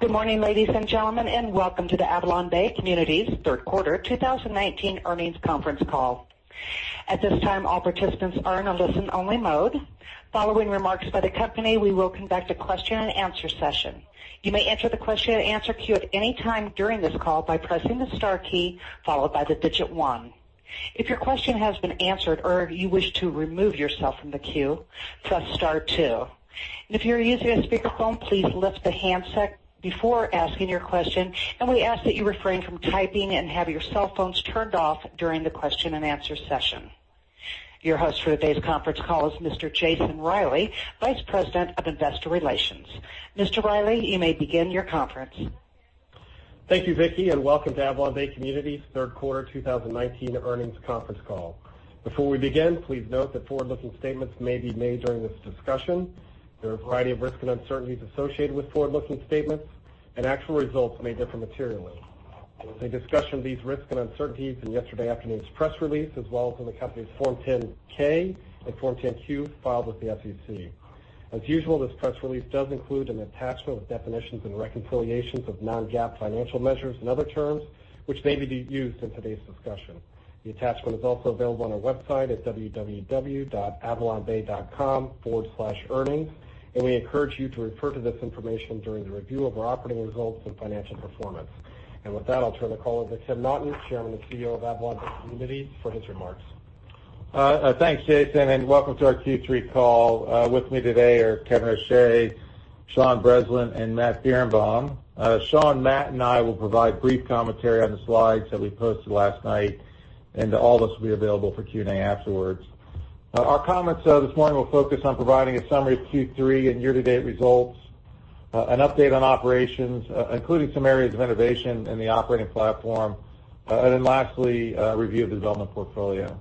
Good morning, ladies and gentlemen, and welcome to the AvalonBay Communities third quarter 2019 earnings conference call. At this time, all participants are in a listen-only mode. Following remarks by the company, we will conduct a question and answer session. You may enter the question and answer queue at any time during this call by pressing the star key, followed by the digit one. If your question has been answered or if you wish to remove yourself from the queue, press star two. If you're using a speakerphone, please lift the handset before asking your question, and we ask that you refrain from typing and have your cell phones turned off during the question and answer session. Your host for today's conference call is Mr. Jason Reilly, Vice President of Investor Relations. Mr. Reilly, you may begin your conference. Thank you, Vicki, and welcome to AvalonBay Communities' third quarter 2019 earnings conference call. Before we begin, please note that forward-looking statements may be made during this discussion. There are a variety of risks and uncertainties associated with forward-looking statements, and actual results may differ materially. There's a discussion of these risks and uncertainties in yesterday afternoon's press release, as well as in the company's Form 10-K and Form 10-Q filed with the SEC. As usual, this press release does include an attachment with definitions and reconciliations of non-GAAP financial measures and other terms which may be used in today's discussion. The attachment is also available on our website at www.avalonbay.com/earnings, and we encourage you to refer to this information during the review of our operating results and financial performance. With that, I'll turn the call over to Timothy Naughton, Chairman and Chief Executive Officer of AvalonBay Communities, for his remarks. Thanks, Jason. Welcome to our Q3 call. With me today are Kevin O'Shea, Sean Breslin, and Matt Birenbaum. Sean, Matt, and I will provide brief commentary on the slides that we posted last night. All of us will be available for Q&A afterwards. Our comments this morning will focus on providing a summary of Q3 and year-to-date results, an update on operations, including some areas of innovation in the operating platform. Lastly, a review of the development portfolio.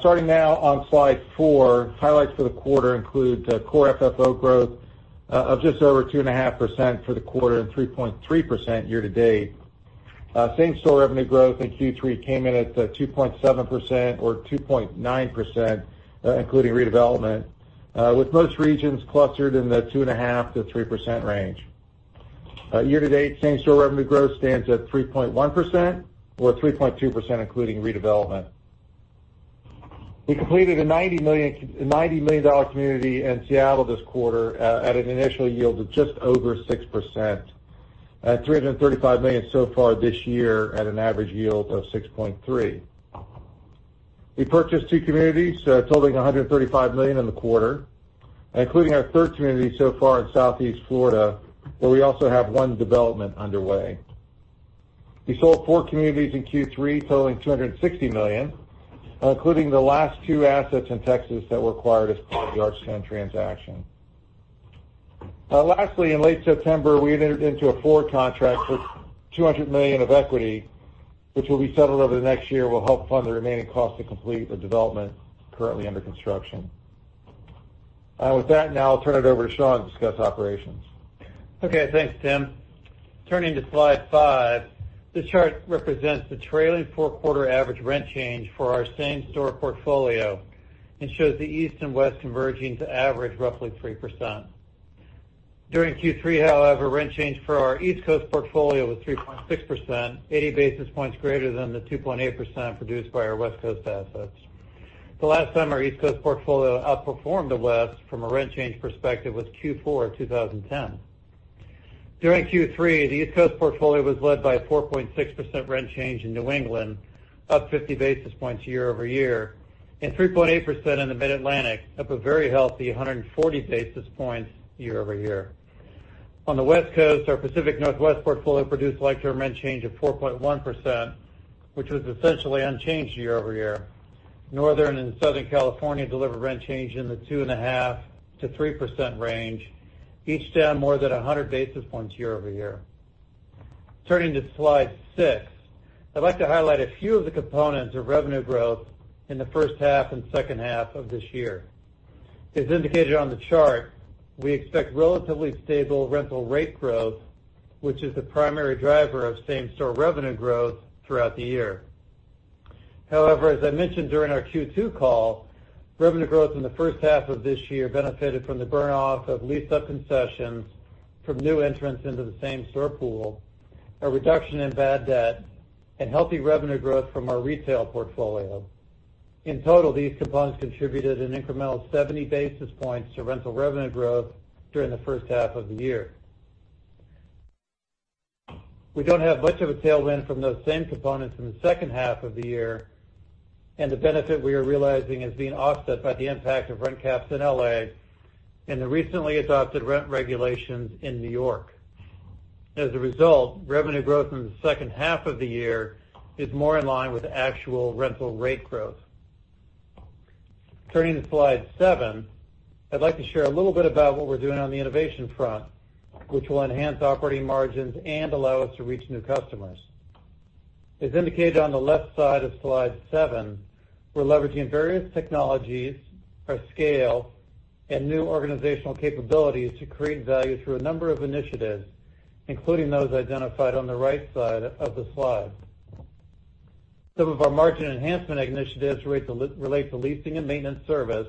Starting now on slide four, highlights for the quarter include core FFO growth of just over 2.5% for the quarter and 3.3% year-to-date. Same-store revenue growth in Q3 came in at 2.7% or 2.9% including redevelopment, with most regions clustered in the 2.5%-3% range. Year-to-date, same-store revenue growth stands at 3.1% or 3.2% including redevelopment. We completed a $90 million community in Seattle this quarter at an initial yield of just over 6%, at $335 million so far this year at an average yield of 6.3%. We purchased two communities totaling $135 million in the quarter, including our third community so far in Southeast Florida, where we also have one development underway. We sold four communities in Q3 totaling $260 million, including the last two assets in Texas that were acquired as part of the Archstone transaction. Lastly, in late September, we entered into a forward contract for $200 million of equity, which will be settled over the next year, will help fund the remaining cost to complete the development currently under construction. With that, now I'll turn it over to Sean to discuss operations. Okay. Thanks, Tim. Turning to slide five, this chart represents the trailing four-quarter average rent change for our same-store portfolio and shows the East and West converging to average roughly 3%. During Q3, however, rent change for our East Coast portfolio was 3.6%, 80 basis points greater than the 2.8% produced by our West Coast assets. The last time our East Coast portfolio outperformed the West from a rent change perspective was Q4 2010. During Q3, the East Coast portfolio was led by a 4.6% rent change in New England, up 50 basis points year-over-year, and 3.8% in the Mid-Atlantic, up a very healthy 140 basis points year-over-year. On the West Coast, our Pacific Northwest portfolio produced like-term rent change of 4.1%, which was essentially unchanged year-over-year. Northern and Southern California delivered rent change in the 2.5%-3% range, each down more than 100 basis points year-over-year. Turning to slide six, I'd like to highlight a few of the components of revenue growth in the first half and second half of this year. As indicated on the chart, we expect relatively stable rental rate growth, which is the primary driver of same-store revenue growth throughout the year. As I mentioned during our Q2 call, revenue growth in the first half of this year benefited from the burn-off of leased-up concessions from new entrants into the same-store pool, a reduction in bad debt, and healthy revenue growth from our retail portfolio. In total, these components contributed an incremental 70 basis points to rental revenue growth during the first half of the year. We don't have much of a tailwind from those same components in the second half of the year. The benefit we are realizing is being offset by the impact of rent caps in L.A. and the recently adopted rent regulations in New York. As a result, revenue growth in the second half of the year is more in line with actual rental rate growth. Turning to slide seven, I'd like to share a little bit about what we're doing on the innovation front, which will enhance operating margins and allow us to reach new customers. As indicated on the left side of slide seven, we're leveraging various technologies for scale and new organizational capabilities to create value through a number of initiatives, including those identified on the right side of the slide. Some of our margin enhancement initiatives relate to leasing and maintenance service,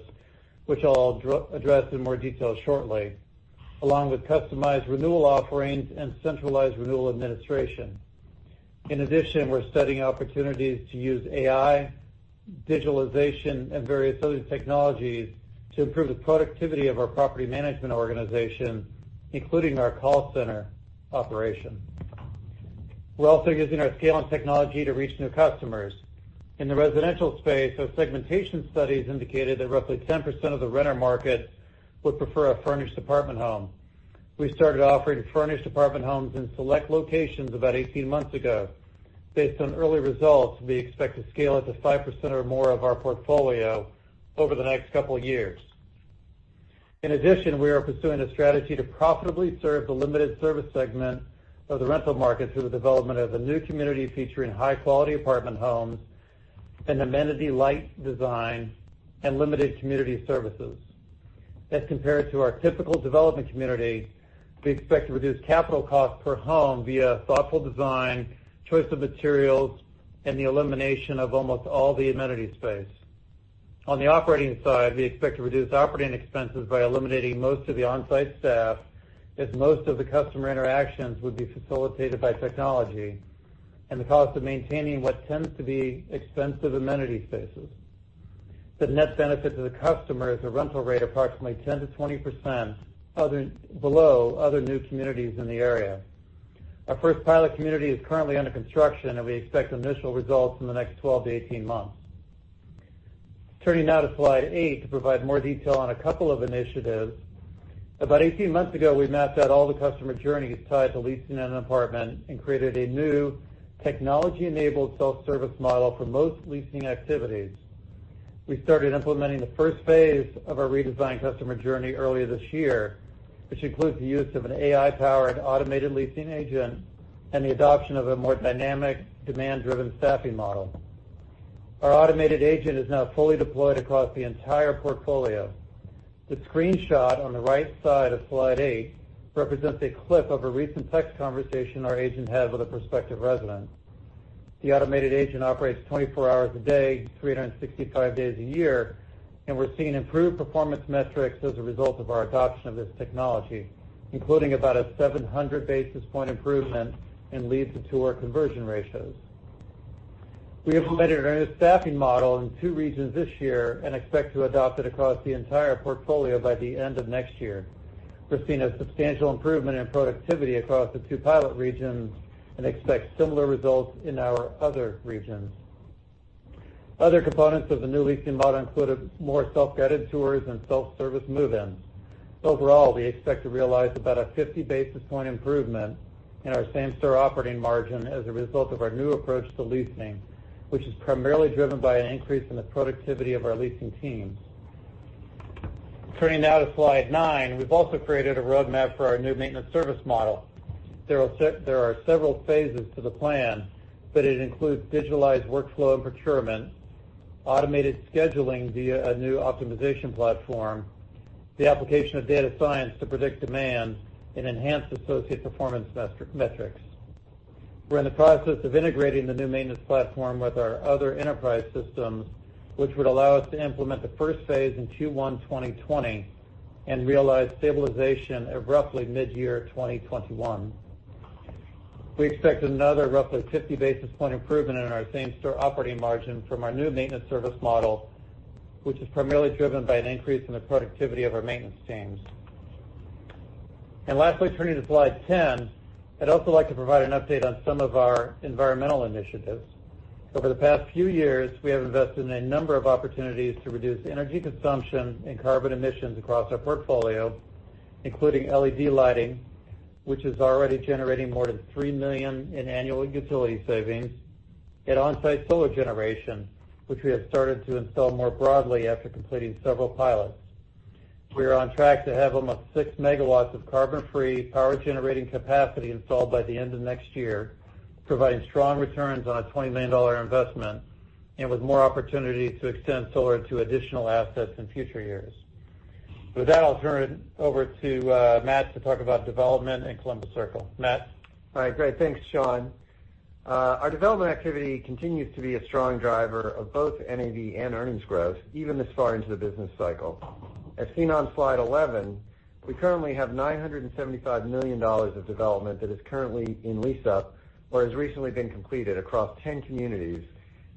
which I'll address in more detail shortly, along with customized renewal offerings and centralized renewal administration. In addition, we're studying opportunities to use AI, digitalization, and various other technologies to improve the productivity of our property management organization, including our call center operation. We're also using our scale and technology to reach new customers. In the residential space, our segmentation studies indicated that roughly 10% of the renter market would prefer a furnished apartment home. We started offering furnished apartment homes in select locations about 18 months ago. Based on early results, we expect to scale it to 5% or more of our portfolio over the next couple of years. In addition, we are pursuing a strategy to profitably serve the limited service segment of the rental market through the development of a new community featuring high-quality apartment homes, an amenity light design, and limited community services. As compared to our typical development community, we expect to reduce capital costs per home via thoughtful design, choice of materials, and the elimination of almost all the amenity space. On the operating side, we expect to reduce operating expenses by eliminating most of the on-site staff, as most of the customer interactions would be facilitated by technology and the cost of maintaining what tends to be expensive amenity spaces. The net benefit to the customer is a rental rate approximately 10%-20% below other new communities in the area. Our first pilot community is currently under construction, and we expect initial results in the next 12-18 months. Turning now to slide eight to provide more detail on a couple of initiatives. About 18 months ago, we mapped out all the customer journeys tied to leasing an apartment and created a new technology-enabled self-service model for most leasing activities. We started implementing the first phase of our redesigned customer journey earlier this year, which includes the use of an AI-powered automated leasing agent and the adoption of a more dynamic demand-driven staffing model. Our automated agent is now fully deployed across the entire portfolio. The screenshot on the right side of slide eight represents a clip of a recent text conversation our agent had with a prospective resident. The automated agent operates 24 hours a day, 365 days a year, we're seeing improved performance metrics as a result of our adoption of this technology, including about a 700 basis point improvement in lead to tour conversion ratios. We implemented our new staffing model in two regions this year and expect to adopt it across the entire portfolio by the end of next year. We're seeing a substantial improvement in productivity across the two pilot regions and expect similar results in our other regions. Other components of the new leasing model include more self-guided tours and self-service move-ins. Overall, we expect to realize about a 50 basis point improvement in our same-store operating margin as a result of our new approach to leasing, which is primarily driven by an increase in the productivity of our leasing teams. Turning now to slide nine. We've also created a roadmap for our new maintenance service model. There are several phases to the plan. It includes digitalized workflow and procurement, automated scheduling via a new optimization platform, the application of data science to predict demand, and enhanced associate performance metrics. We're in the process of integrating the new maintenance platform with our other enterprise systems, which would allow us to implement the first phase in Q1 2020 and realize stabilization of roughly mid-year 2021. We expect another roughly 50 basis point improvement in our same-store operating margin from our new maintenance service model, which is primarily driven by an increase in the productivity of our maintenance teams. Lastly, turning to slide 10, I'd also like to provide an update on some of our environmental initiatives. Over the past few years, we have invested in a number of opportunities to reduce energy consumption and carbon emissions across our portfolio, including LED lighting, which is already generating more than $3 million in annual utility savings, and on-site solar generation, which we have started to install more broadly after completing several pilots. We are on track to have almost 6 MW of carbon-free power generating capacity installed by the end of next year, providing strong returns on a $20 million investment, and with more opportunities to extend solar to additional assets in future years. With that, I'll turn it over to Matt to talk about development in Columbus Circle. Matt? All right. Great. Thanks, Sean. Our development activity continues to be a strong driver of both NAV and earnings growth even this far into the business cycle. As seen on slide 11, we currently have $975 million of development that is currently in lease-up or has recently been completed across 10 communities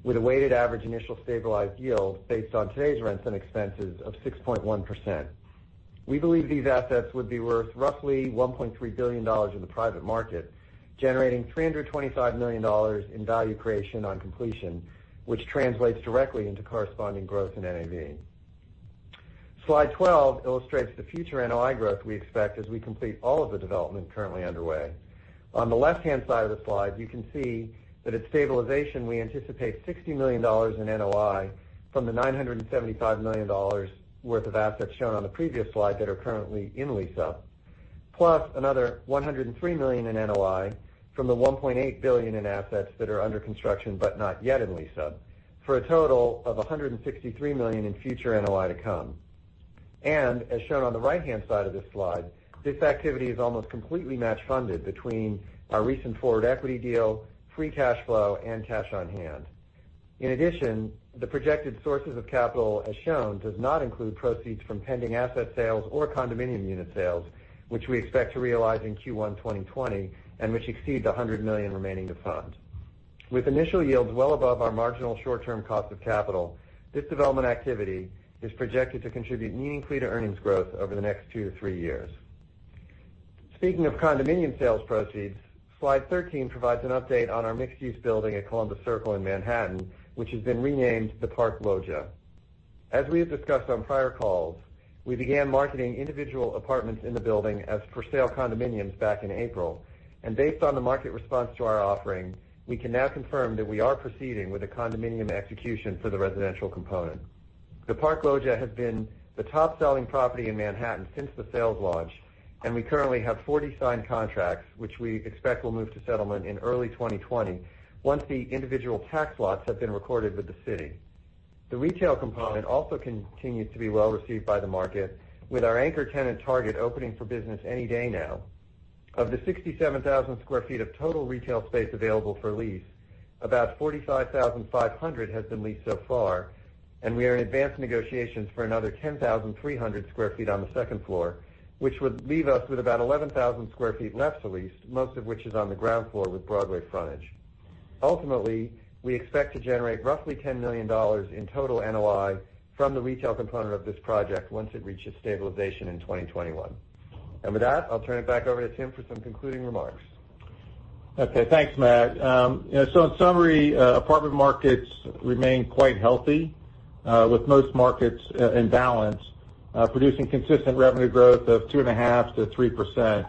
with a weighted average initial stabilized yield based on today's rents and expenses of 6.1%. We believe these assets would be worth roughly $1.3 billion in the private market, generating $325 million in value creation on completion, which translates directly into corresponding growth in NAV. Slide 12 illustrates the future NOI growth we expect as we complete all of the development currently underway. On the left-hand side of the slide, you can see that at stabilization, we anticipate $60 million in NOI from the $975 million worth of assets shown on the previous slide that are currently in lease up, plus another $103 million in NOI from the $1.8 billion in assets that are under construction but not yet in lease up, for a total of $163 million in future NOI to come. As shown on the right-hand side of this slide, this activity is almost completely match funded between our recent forward equity deal, free cash flow, and cash on hand. In addition, the projected sources of capital as shown, does not include proceeds from pending asset sales or condominium unit sales, which we expect to realize in Q1 2020 and which exceed the $100 million remaining to fund. With initial yields well above our marginal short-term cost of capital, this development activity is projected to contribute meaningfully to earnings growth over the next two to three years. Speaking of condominium sales proceeds, slide 13 provides an update on our mixed-use building at Columbus Circle in Manhattan, which has been renamed The Park Loggia. As we have discussed on prior calls, we began marketing individual apartments in the building as for sale condominiums back in April, and based on the market response to our offering, we can now confirm that we are proceeding with a condominium execution for the residential component. The Park Loggia has been the top-selling property in Manhattan since the sales launch, and we currently have 40 signed contracts, which we expect will move to settlement in early 2020 once the individual tax lots have been recorded with the city. The retail component also continues to be well-received by the market with our anchor tenant Target opening for business any day now. Of the 67,000 sq ft of total retail space available for lease, about 45,500 has been leased so far, and we are in advanced negotiations for another 10,300 sq ft on the second floor, which would leave us with about 11,000 sq ft left to lease, most of which is on the ground floor with Broadway frontage. Ultimately, we expect to generate roughly $10 million in total NOI from the retail component of this project once it reaches stabilization in 2021. With that, I'll turn it back over to Tim for some concluding remarks. Thanks, Matt. In summary, apartment markets remain quite healthy, with most markets in balance, producing consistent revenue growth of 2.5%-3%.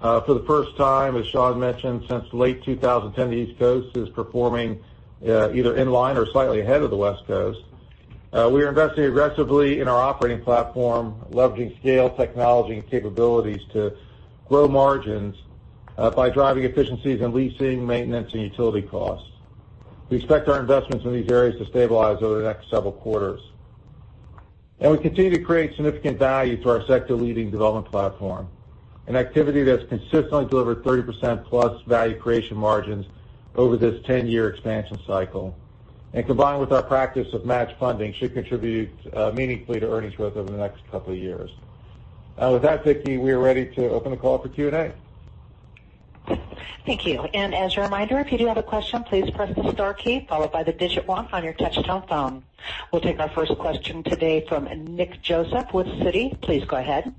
For the first time, as Sean mentioned, since late 2010, the East Coast is performing either in line or slightly ahead of the West Coast. We are investing aggressively in our operating platform, leveraging scale, technology, and capabilities to grow margins by driving efficiencies in leasing, maintenance, and utility costs. We expect our investments in these areas to stabilize over the next several quarters. We continue to create significant value through our sector-leading development platform, an activity that's consistently delivered 30%+ value creation margins over this 10-year expansion cycle. Combined with our practice of match funding, should contribute meaningfully to earnings growth over the next couple of years. With that, Vicki, we are ready to open the call for Q&A. Thank you. As a reminder, if you do have a question, please press the star key followed by the digit one on your touchtone phone. We'll take our first question today from Nicholas Joseph with Citi. Please go ahead.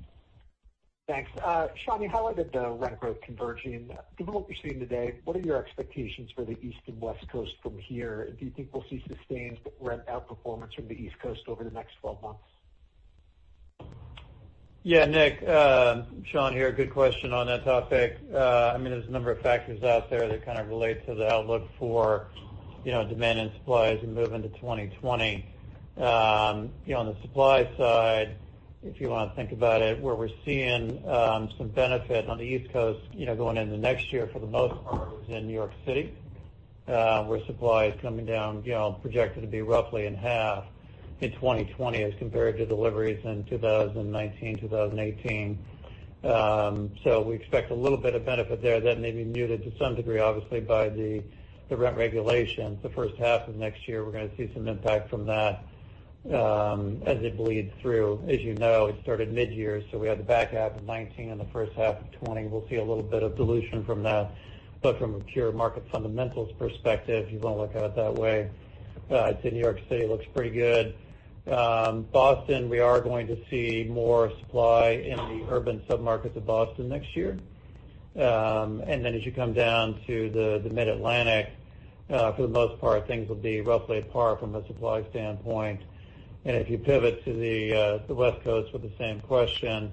Thanks. Sean, how did the rent growth converge in development you're seeing today? What are your expectations for the East and West Coast from here? Do you think we'll see sustained rent outperformance from the East Coast over the next 12 months? Yeah, Nick. Sean here. Good question on that topic. There's a number of factors out there that kind of relate to the outlook for demand and supply as we move into 2020. On the supply side, if you want to think about it, where we're seeing some benefit on the East Coast going into next year for the most part is in New York City, where supply is coming down, projected to be roughly in half in 2020 as compared to deliveries in 2019, 2018. We expect a little bit of benefit there. That may be muted to some degree, obviously, by the rent regulations. The first half of next year, we're going to see some impact from that as it bleeds through. As you know, it started mid-year, we had the back half of 2019, and the first half of 2020. We'll see a little bit of dilution from that. From a pure market fundamentals perspective, if you want to look at it that way, I'd say New York City looks pretty good. Boston, we are going to see more supply in the urban submarkets of Boston next year. As you come down to the Mid-Atlantic, for the most part, things will be roughly at par from a supply standpoint. If you pivot to the West Coast with the same question,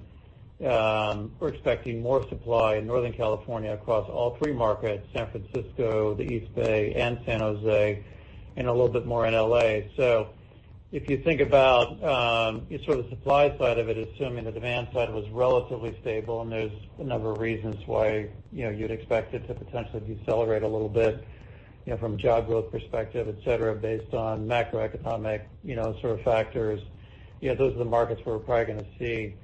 we're expecting more supply in Northern California across all three markets, San Francisco, the East Bay, and San Jose, and a little bit more in L.A. If you think about the supply side of it, assuming the demand side was relatively stable, and there's a number of reasons why you'd expect it to potentially decelerate a little bit from a job growth perspective, et cetera, based on macroeconomic sort of factors. Those are the markets where we're probably going to see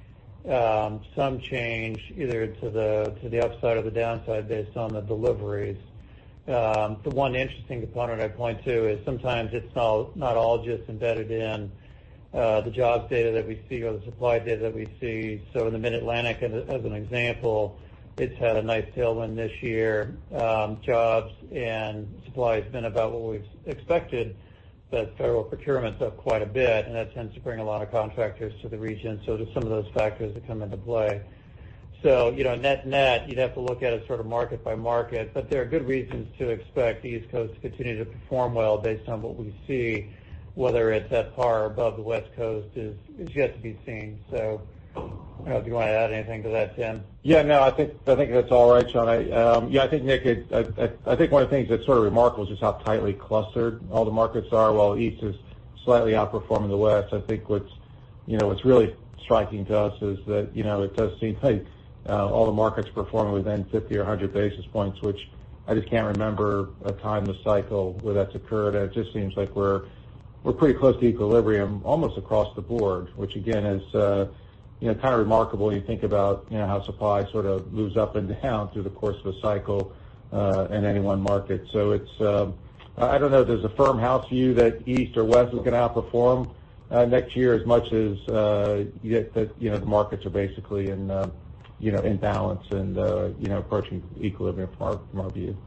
some change either to the upside or the downside based on the deliveries. The one interesting component I'd point to is sometimes it's not all just embedded in the jobs data that we see or the supply data that we see. In the Mid-Atlantic, as an example, it's had a nice tailwind this year. Jobs and supply has been about what we've expected, but federal procurement's up quite a bit, and that tends to bring a lot of contractors to the region. Just some of those factors that come into play. Net net, you'd have to look at it sort of market by market, but there are good reasons to expect the East Coast to continue to perform well based on what we see, whether it's at par above the West Coast is yet to be seen. I don't know if you want to add anything to that, Tim. Yeah, no, I think that's all right, Sean. I think Nick, one of the things that's sort of remarkable is just how tightly clustered all the markets are. While the East is slightly outperforming the West, I think what's really striking to us is that it does seem all the markets performing within 50 or 100 basis points, which I just can't remember a time in the cycle where that's occurred. It just seems like we're We're pretty close to equilibrium almost across the board, which again, is kind of remarkable when you think about how supply sort of moves up and down through the course of a cycle in any one market. I don't know if there's a firm house view that East or West is going to outperform next year as much as the markets are basically in balance and approaching equilibrium from our view.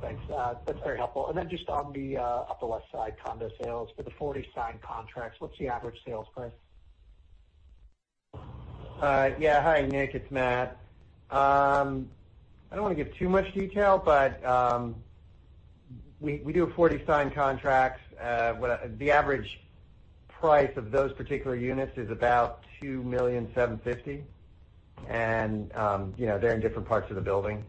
Thanks. That's very helpful. Then just on the Upper West Side condo sales, for the 40 signed contracts, what's the average sales price? Yeah. Hi, Nick. It's Matt. I don't want to give too much detail, but we do have 40 signed contracts. The average price of those particular units is about $2.75 million. They're in different parts of the building.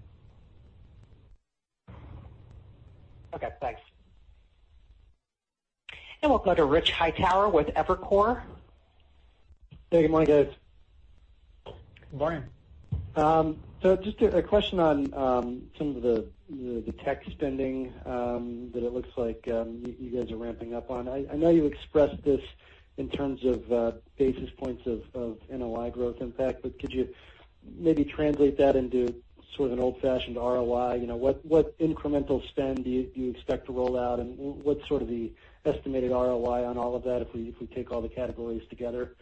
Okay, thanks. We'll go to Richard Hightower with Evercore. Hey, good morning, guys. Good morning. Just a question on some of the tech spending that it looks like you guys are ramping up on. I know you expressed this in terms of basis points of NOI growth impact, but could you maybe translate that into sort of an old-fashioned ROI? What incremental spend do you expect to roll out, and what's sort of the estimated ROI on all of that if we take all the categories together?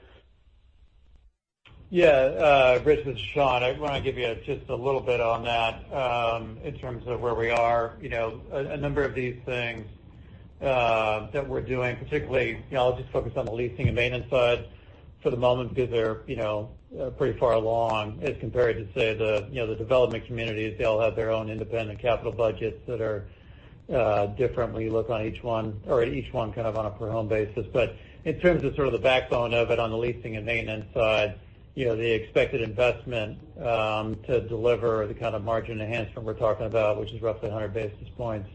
Yeah. Rich, this is Sean. I want to give you just a little bit on that in terms of where we are. A number of these things that we're doing, particularly, I'll just focus on the leasing and maintenance side for the moment because they're pretty far along as compared to, say, the development communities. They all have their own independent capital budgets that are differently looked on each one or each one kind of on a per home basis. In terms of sort of the backbone of it on the leasing and maintenance side, the expected investment to deliver the kind of margin enhancement we're talking about, which is roughly 100 basis points,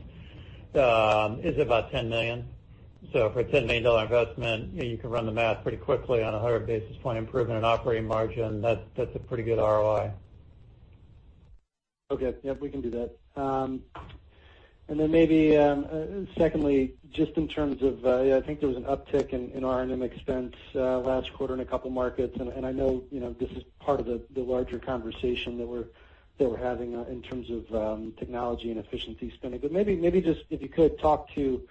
is about $10 million. For a $10 million investment, you can run the math pretty quickly on 100 basis point improvement in operating margin. That's a pretty good ROI. Okay. Yeah, we can do that. Maybe secondly, just in terms of, I think there was an uptick in R&M expense last quarter in a couple markets, and I know this is part of the larger conversation that we're having in terms of technology and efficiency spending. Maybe just if you could talk to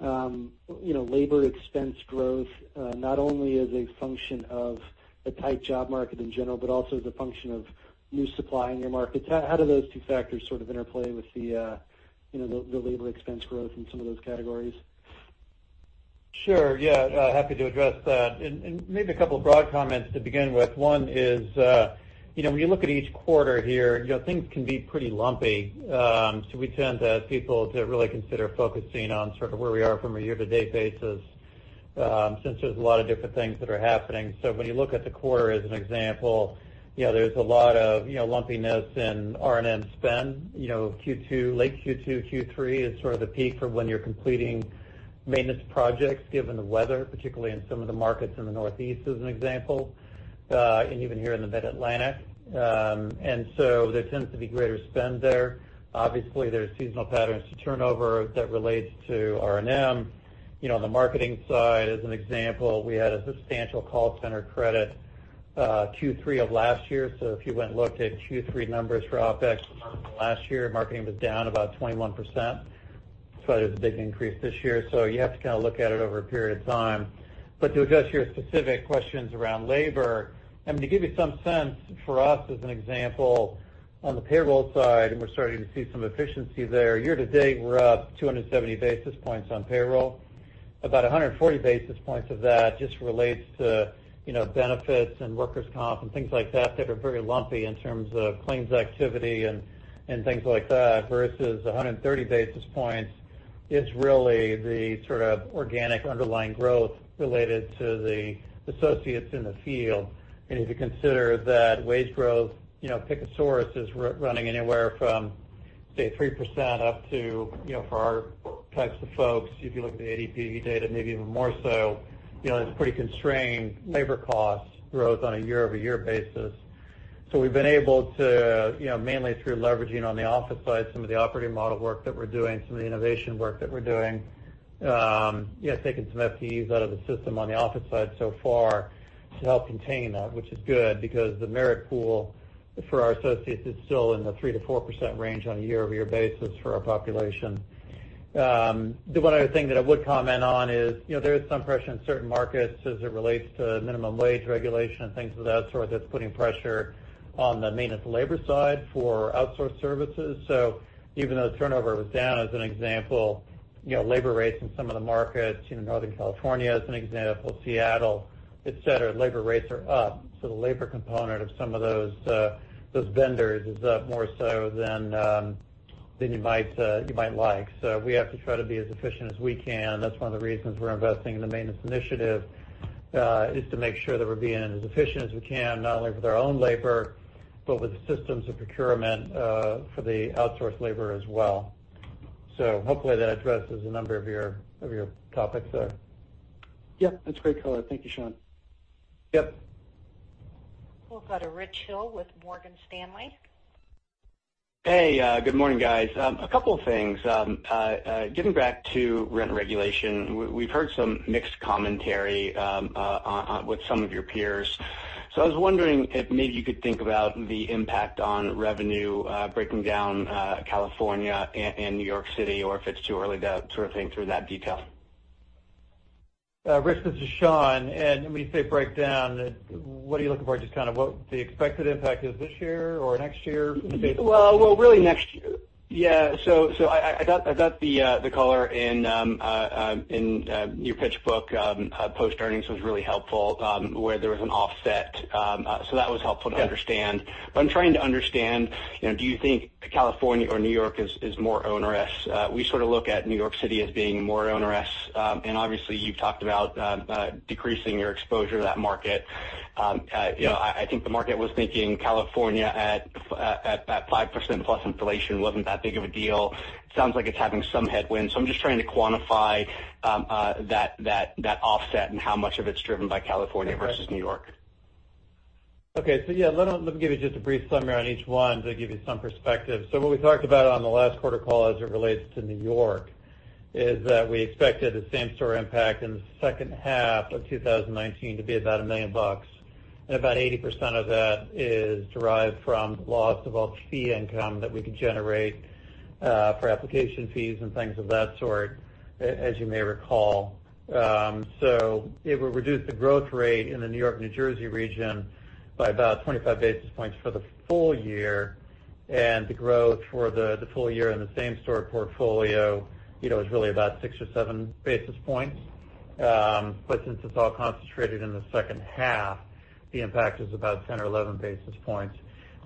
labor expense growth, not only as a function of a tight job market in general, but also as a function of new supply in your markets. How do those two factors sort of interplay with the labor expense growth in some of those categories? Sure. Yeah. Happy to address that. Maybe a couple of broad comments to begin with. One is when you look at each quarter here, things can be pretty lumpy. We tend to ask people to really consider focusing on sort of where we are from a year-to-date basis since there's a lot of different things that are happening. When you look at the quarter as an example, there's a lot of lumpiness in R&M spend. Late Q2, Q3 is sort of the peak for when you're completing maintenance projects given the weather, particularly in some of the markets in the Northeast, as an example, and even here in the mid-Atlantic. There tends to be greater spend there. Obviously, there's seasonal patterns to turnover that relates to R&M. On the marketing side, as an example, we had a substantial call center credit Q3 of last year. If you went and looked at Q3 numbers for OpEx last year, marketing was down about 21%, so there's a big increase this year. You have to kind of look at it over a period of time. To address your specific questions around labor, I mean, to give you some sense for us as an example, on the payroll side, and we're starting to see some efficiency there, year to date, we're up 270 basis points on payroll. About 140 basis points of that just relates to benefits and workers' comp and things like that that are very lumpy in terms of claims activity and things like that versus 130 basis points is really the sort of organic underlying growth related to the associates in the field. If you consider that wage growth, pick a source, is running anywhere from, say, 3% up to, for our types of folks, if you look at the ADP data, maybe even more so, it's pretty constrained labor cost growth on a year-over-year basis. We've been able to, mainly through leveraging on the office side some of the operating model work that we're doing, some of the innovation work that we're doing, taking some FTEs out of the system on the office side so far to help contain that, which is good because the merit pool for our associates is still in the 3%-4% range on a year-over-year basis for our population. The one other thing that I would comment on is there is some pressure in certain markets as it relates to minimum wage regulation and things of that sort that's putting pressure on the maintenance labor side for outsourced services. Even though turnover was down, as an example, labor rates in some of the markets, Northern California as an example, Seattle, et cetera, labor rates are up. The labor component of some of those vendors is up more so than you might like. We have to try to be as efficient as we can. That's one of the reasons we're investing in the maintenance initiative, is to make sure that we're being as efficient as we can, not only with our own labor, but with the systems of procurement for the outsourced labor as well. Hopefully that addresses a number of your topics there. Yeah. That's a great color. Thank you, Sean. Yep. We'll go to Richard Hill with Morgan Stanley. Hey, good morning, guys. A couple of things. Getting back to rent regulation, we've heard some mixed commentary with some of your peers. I was wondering if maybe you could think about the impact on revenue breaking down California and New York City, or if it's too early to think through that detail. Rich, this is Sean. When you say break down, what are you looking for? Just kind of what the expected impact is this year or next year? Well, really next year. Yeah. I thought the color in your pitch book post-earnings was really helpful where there was an offset. That was helpful to understand. Yeah. I'm trying to understand, do you think California or New York is more onerous? We sort of look at New York City as being more onerous, and obviously, you've talked about decreasing your exposure to that market. I think the market was thinking California at that 5% plus inflation wasn't that big of a deal. Sounds like it's having some headwinds. I'm just trying to quantify that offset and how much of it's driven by California versus New York. Okay. Yeah, let me give you just a brief summary on each one to give you some perspective. What we talked about on the last quarter call as it relates to New York is that we expected a same-store impact in the second half of 2019 to be about $1 million. About 80% of that is derived from loss of all fee income that we could generate for application fees and things of that sort, as you may recall. It will reduce the growth rate in the New York-New Jersey region by about 25 basis points for the full year. The growth for the full year in the same-store portfolio is really about six or seven basis points. Since it's all concentrated in the second half, the impact is about 10 or 11 basis points.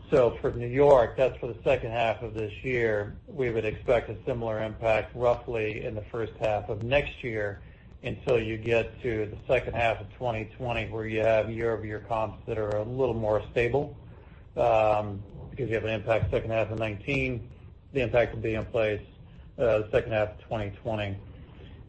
For New York, that's for the second half of this year, we would expect a similar impact roughly in the first half of next year until you get to the second half of 2020, where you have year-over-year comps that are a little more stable. You have an impact second half of 2019, the impact will be in place the second half of 2020.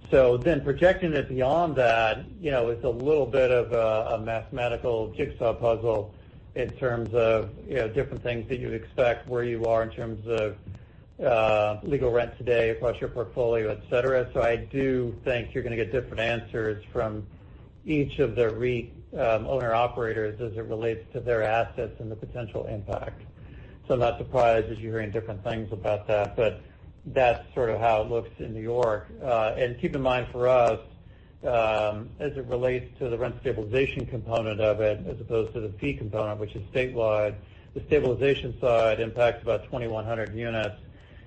Projecting it beyond that is a little bit of a mathematical jigsaw puzzle in terms of different things that you'd expect, where you are in terms of legal rent today plus your portfolio, et cetera. I do think you're going to get different answers from each of the owner-operators as it relates to their assets and the potential impact. I'm not surprised that you're hearing different things about that, but that's sort of how it looks in New York. Keep in mind for us, as it relates to the rent stabilization component of it, as opposed to the fee component, which is statewide, the stabilization side impacts about 2,100 units,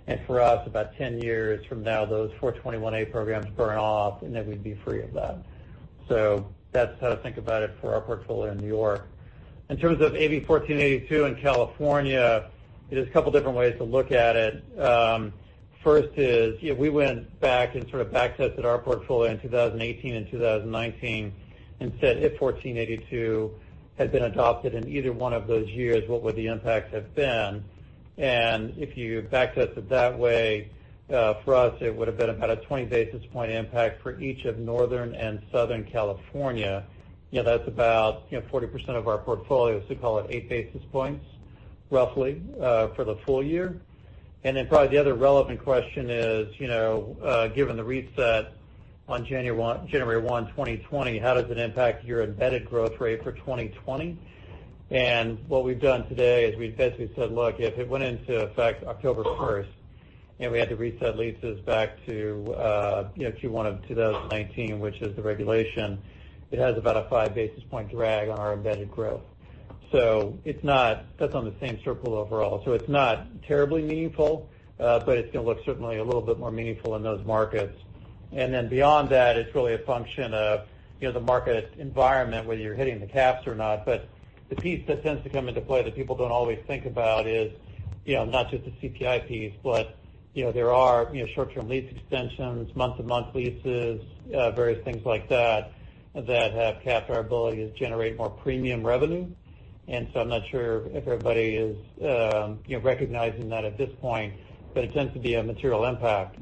and for us, about 10 years from now, those 421-a programs burn off, and then we'd be free of that. That's how to think about it for our portfolio in New York. In terms of AB 1482 in California, there's a couple different ways to look at it. First is, we went back and sort of back-tested our portfolio in 2018-2019 and said if 1482 had been adopted in either one of those years, what would the impact have been? If you back-test it that way, for us, it would've been about a 20-basis point impact for each of Northern and Southern California. That's about 40% of our portfolio, so call it eight basis points roughly for the full year. Probably the other relevant question is, given the reset on January 1st, 2020, how does it impact your embedded growth rate for 2020? What we've done today is we've basically said, look, if it went into effect October 1st and we had to reset leases back to Q1 of 2019, which is the regulation, it has about a five-basis point drag on our embedded growth. That's on the same-store overall. It's not terribly meaningful, but it's going to look certainly a little bit more meaningful in those markets. Beyond that, it's really a function of the market environment, whether you're hitting the caps or not. The piece that tends to come into play that people don't always think about is, not just the CPI piece, but there are short-term lease extensions, month-to-month leases, various things like that have capped our ability to generate more premium revenue. I'm not sure if everybody is recognizing that at this point, but it tends to be a material impact.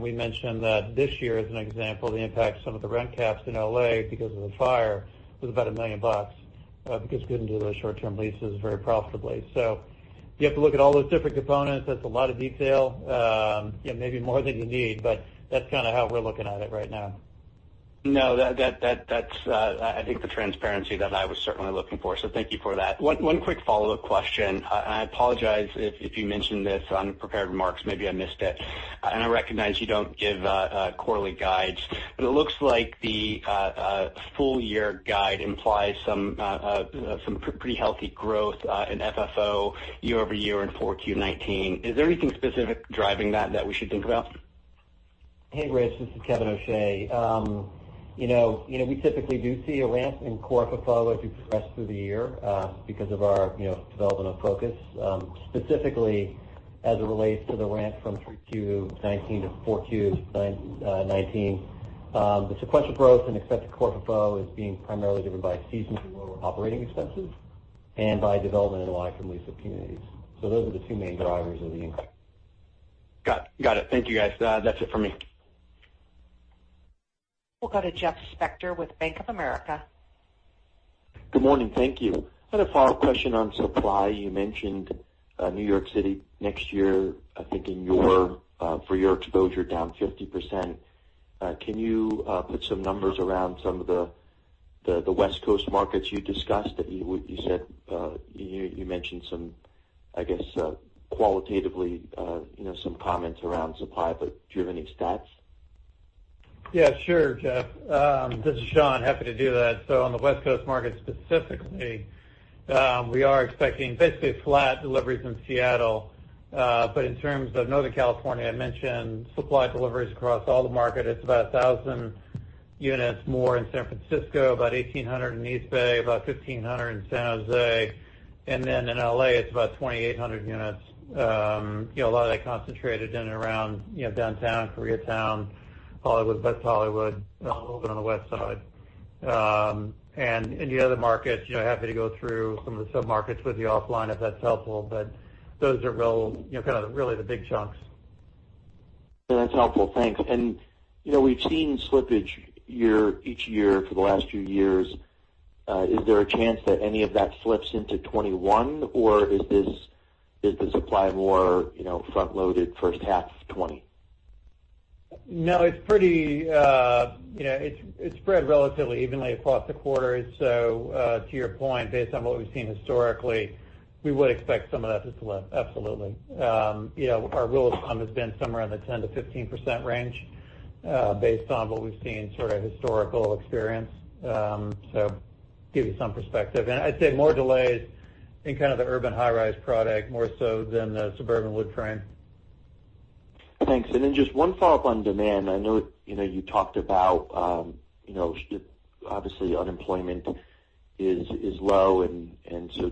We mentioned that this year, as an example, the impact of some of the rent caps in L.A. because of the fire was about $1 million, because we couldn't do those short-term leases very profitably. You have to look at all those different components. That's a lot of detail, maybe more than you need, but that's kind of how we're looking at it right now. No, that's I think the transparency that I was certainly looking for. Thank you for that. One quick follow-up question. I apologize if you mentioned this on prepared remarks, maybe I missed it. I recognize you don't give quarterly guides, but it looks like the full-year guide implies some pretty healthy growth in FFO year-over-year in 4Q 2019. Is there anything specific driving that that we should think about? Hey, Rich, this is Kevin O'Shea. We typically do see a ramp in core FFO as we progress through the year because of our development of focus. Specifically as it relates to the ramp from 3Q 2019 to 4Q 2019. The sequential growth in expected core FFO is being primarily driven by seasonally lower operating expenses and by development in lot of our lease-up communities. Those are the two main drivers of the impact. Got it. Thank you, guys. That's it for me. We'll go to Jeffrey Spector with Bank of America. Good morning. Thank you. I had a follow-up question on supply. You mentioned New York City next year, I think for your exposure down 50%. Can you put some numbers around some of the West Coast markets you discussed? You mentioned some, I guess, qualitatively, some comments around supply. Do you have any stats? Yeah, sure, Jeff. This is Sean. Happy to do that. On the West Coast market specifically, we are expecting basically flat deliveries in Seattle. In terms of Northern California, I mentioned supply deliveries across all the markets. It's about 1,000 units more in San Francisco, about 1,800 in East Bay, about 1,500 in San Jose, and then in L.A., it's about 2,800 units. A lot of that concentrated in and around downtown, Koreatown, Hollywood, West Hollywood, a little bit on the Westside. Any other markets, happy to go through some of the sub-markets with you offline if that's helpful. Those are really the big chunks. That's helpful. Thanks. We've seen slippage each year for the last few years. Is there a chance that any of that slips into 2021 or is the supply more front-loaded first half of 2020? It's spread relatively evenly across the quarters. To your point, based on what we've seen historically, we would expect some of that to slip, absolutely. Our rule of thumb has been somewhere in the 10%-15% range, based on what we've seen sort of historical experience. Give you some perspective. I'd say more delays in kind of the urban high-rise product, more so than the suburban wood frame. Thanks. Just one follow-up on demand. I know you talked about, obviously, unemployment is low,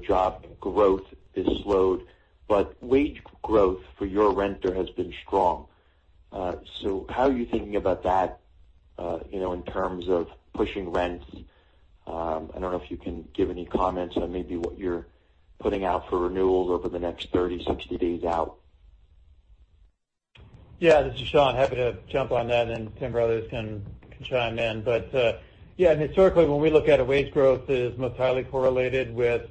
job growth is slowed, wage growth for your renter has been strong. How are you thinking about that in terms of pushing rents? I don't know if you can give any comments on maybe what you're putting out for renewals over the next 30, 60 days out. Yeah. This is Sean. Happy to jump on that and Tim Brothers can chime in. Yeah, historically, when we look at it, wage growth is most highly correlated with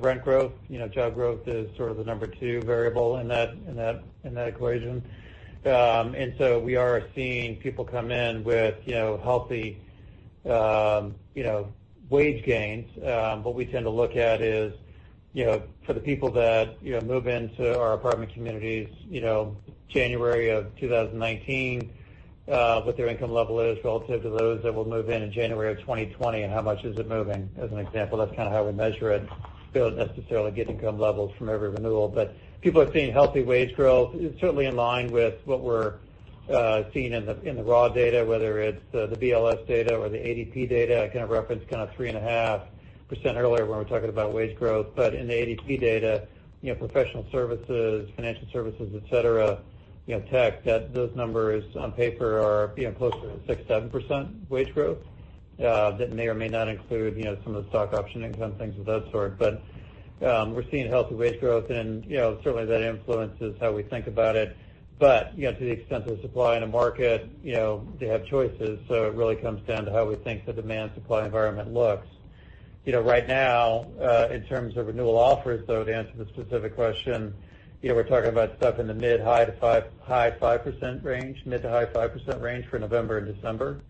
rent growth. Job growth is sort of the number two variable in that equation. We are seeing people come in with healthy wage gains. What we tend to look at is for the people that move into our apartment communities January of 2019, what their income level is relative to those that will move in in January of 2020, and how much is it moving, as an example. That's kind of how we measure it. We don't necessarily get income levels from every renewal, but people are seeing healthy wage growth. It's certainly in line with what we're seeing in the raw data, whether it's the BLS data or the ADP data. I kind of referenced 3.5% earlier when we were talking about wage growth. In the ADP data, professional services, financial services, et cetera, tech, those numbers on paper are closer to 6%, 7% wage growth. That may or may not include some of the stock option income, things of that sort. We're seeing healthy wage growth and certainly that influences how we think about it. To the extent there's supply in a market, they have choices. It really comes down to how we think the demand-supply environment looks. Right now, in terms of renewal offers, though, to answer the specific question, we're talking about stuff in the mid to high 5% range for November and December,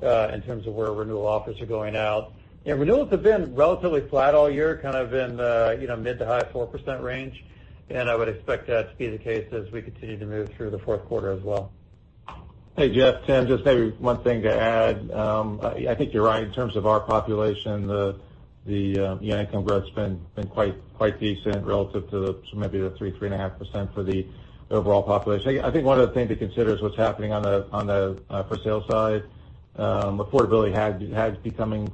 in terms of where renewal offers are going out. Renewals have been relatively flat all year, kind of in the mid to high 4% range, and I would expect that to be the case as we continue to move through the fourth quarter as well. Hey, Jeff, Tim, just maybe one thing to add. I think you're right in terms of our population, the income growth's been quite decent relative to maybe the 3%-3.5% for the overall population. I think one other thing to consider is what's happening on the for sale side. Affordability had become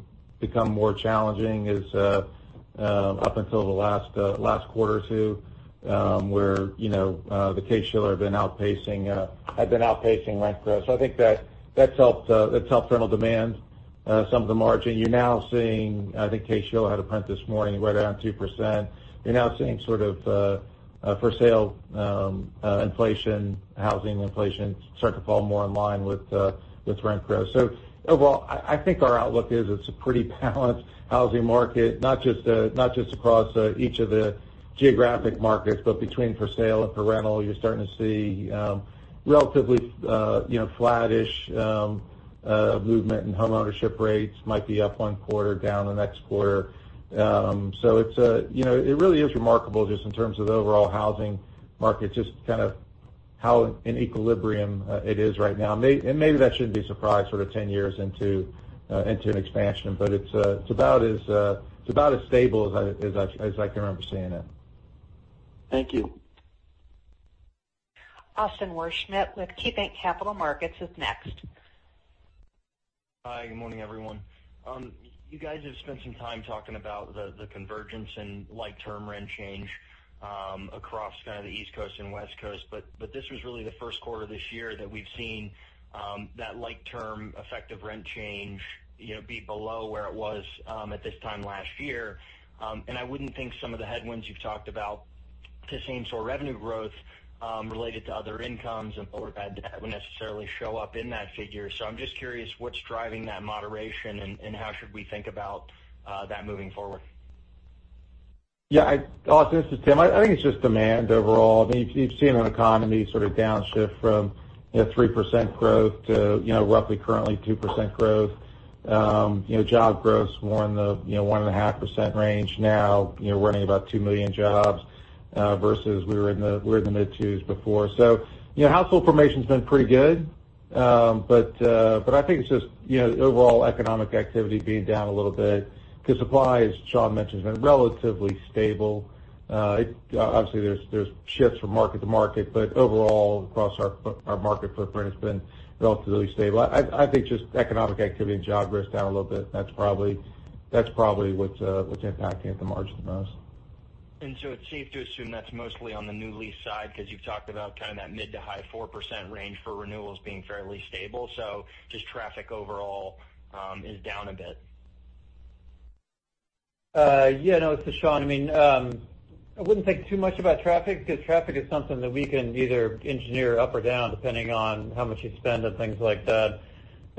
more challenging up until the last quarter or two, where the Case-Shiller had been outpacing rent growth. I think that's helped rental demand some at the margin. You're now seeing, I think Case-Shiller had a print this morning right around 2%. You're now seeing sort of for sale inflation, housing inflation start to fall more in line with rent growth. Overall, I think our outlook is it's a pretty balanced housing market, not just across each of the geographic markets, but between for sale and for rental, you're starting to see relatively flat-ish movement in home ownership rates. Might be up one quarter, down the next quarter. It really is remarkable just in terms of the overall housing market, just kind of how in equilibrium it is right now. Maybe that shouldn't be a surprise sort of 10 years into an expansion, but it's about as stable as I can remember seeing it. Thank you. Austin Wurschmidt with KeyBanc Capital Markets is next. Hi. Good morning, everyone. You guys have spent some time talking about the convergence in like-term rent change across kind of the East Coast and West Coast. This was really the first quarter this year that we've seen that like-term effective rent change be below where it was at this time last year. I wouldn't think some of the headwinds you've talked about to same-store revenue growth related to other incomes and wouldn't necessarily show up in that figure. I'm just curious what's driving that moderation and how should we think about that moving forward? Yeah. Austin, this is Tim. I think it's just demand overall. You've seen an economy sort of downshift from 3% growth to roughly currently 2% growth. Job growth's more in the 1.5% range now, we're running about two million jobs versus we were in the mid-2s before. Household formation's been pretty good. I think it's just the overall economic activity being down a little bit, because supply, as Sean mentioned, has been relatively stable. Obviously, there's shifts from market to market, but overall, across our market footprint, it's been relatively stable. I think just economic activity and job growth is down a little bit. That's probably what's impacting at the margin the most. It's safe to assume that's mostly on the new lease side, because you've talked about that mid to high 4% range for renewals being fairly stable. Just traffic overall is down a bit. Yeah. No, it's Sean. I wouldn't think too much about traffic because traffic is something that we can either engineer up or down depending on how much you spend on things like that.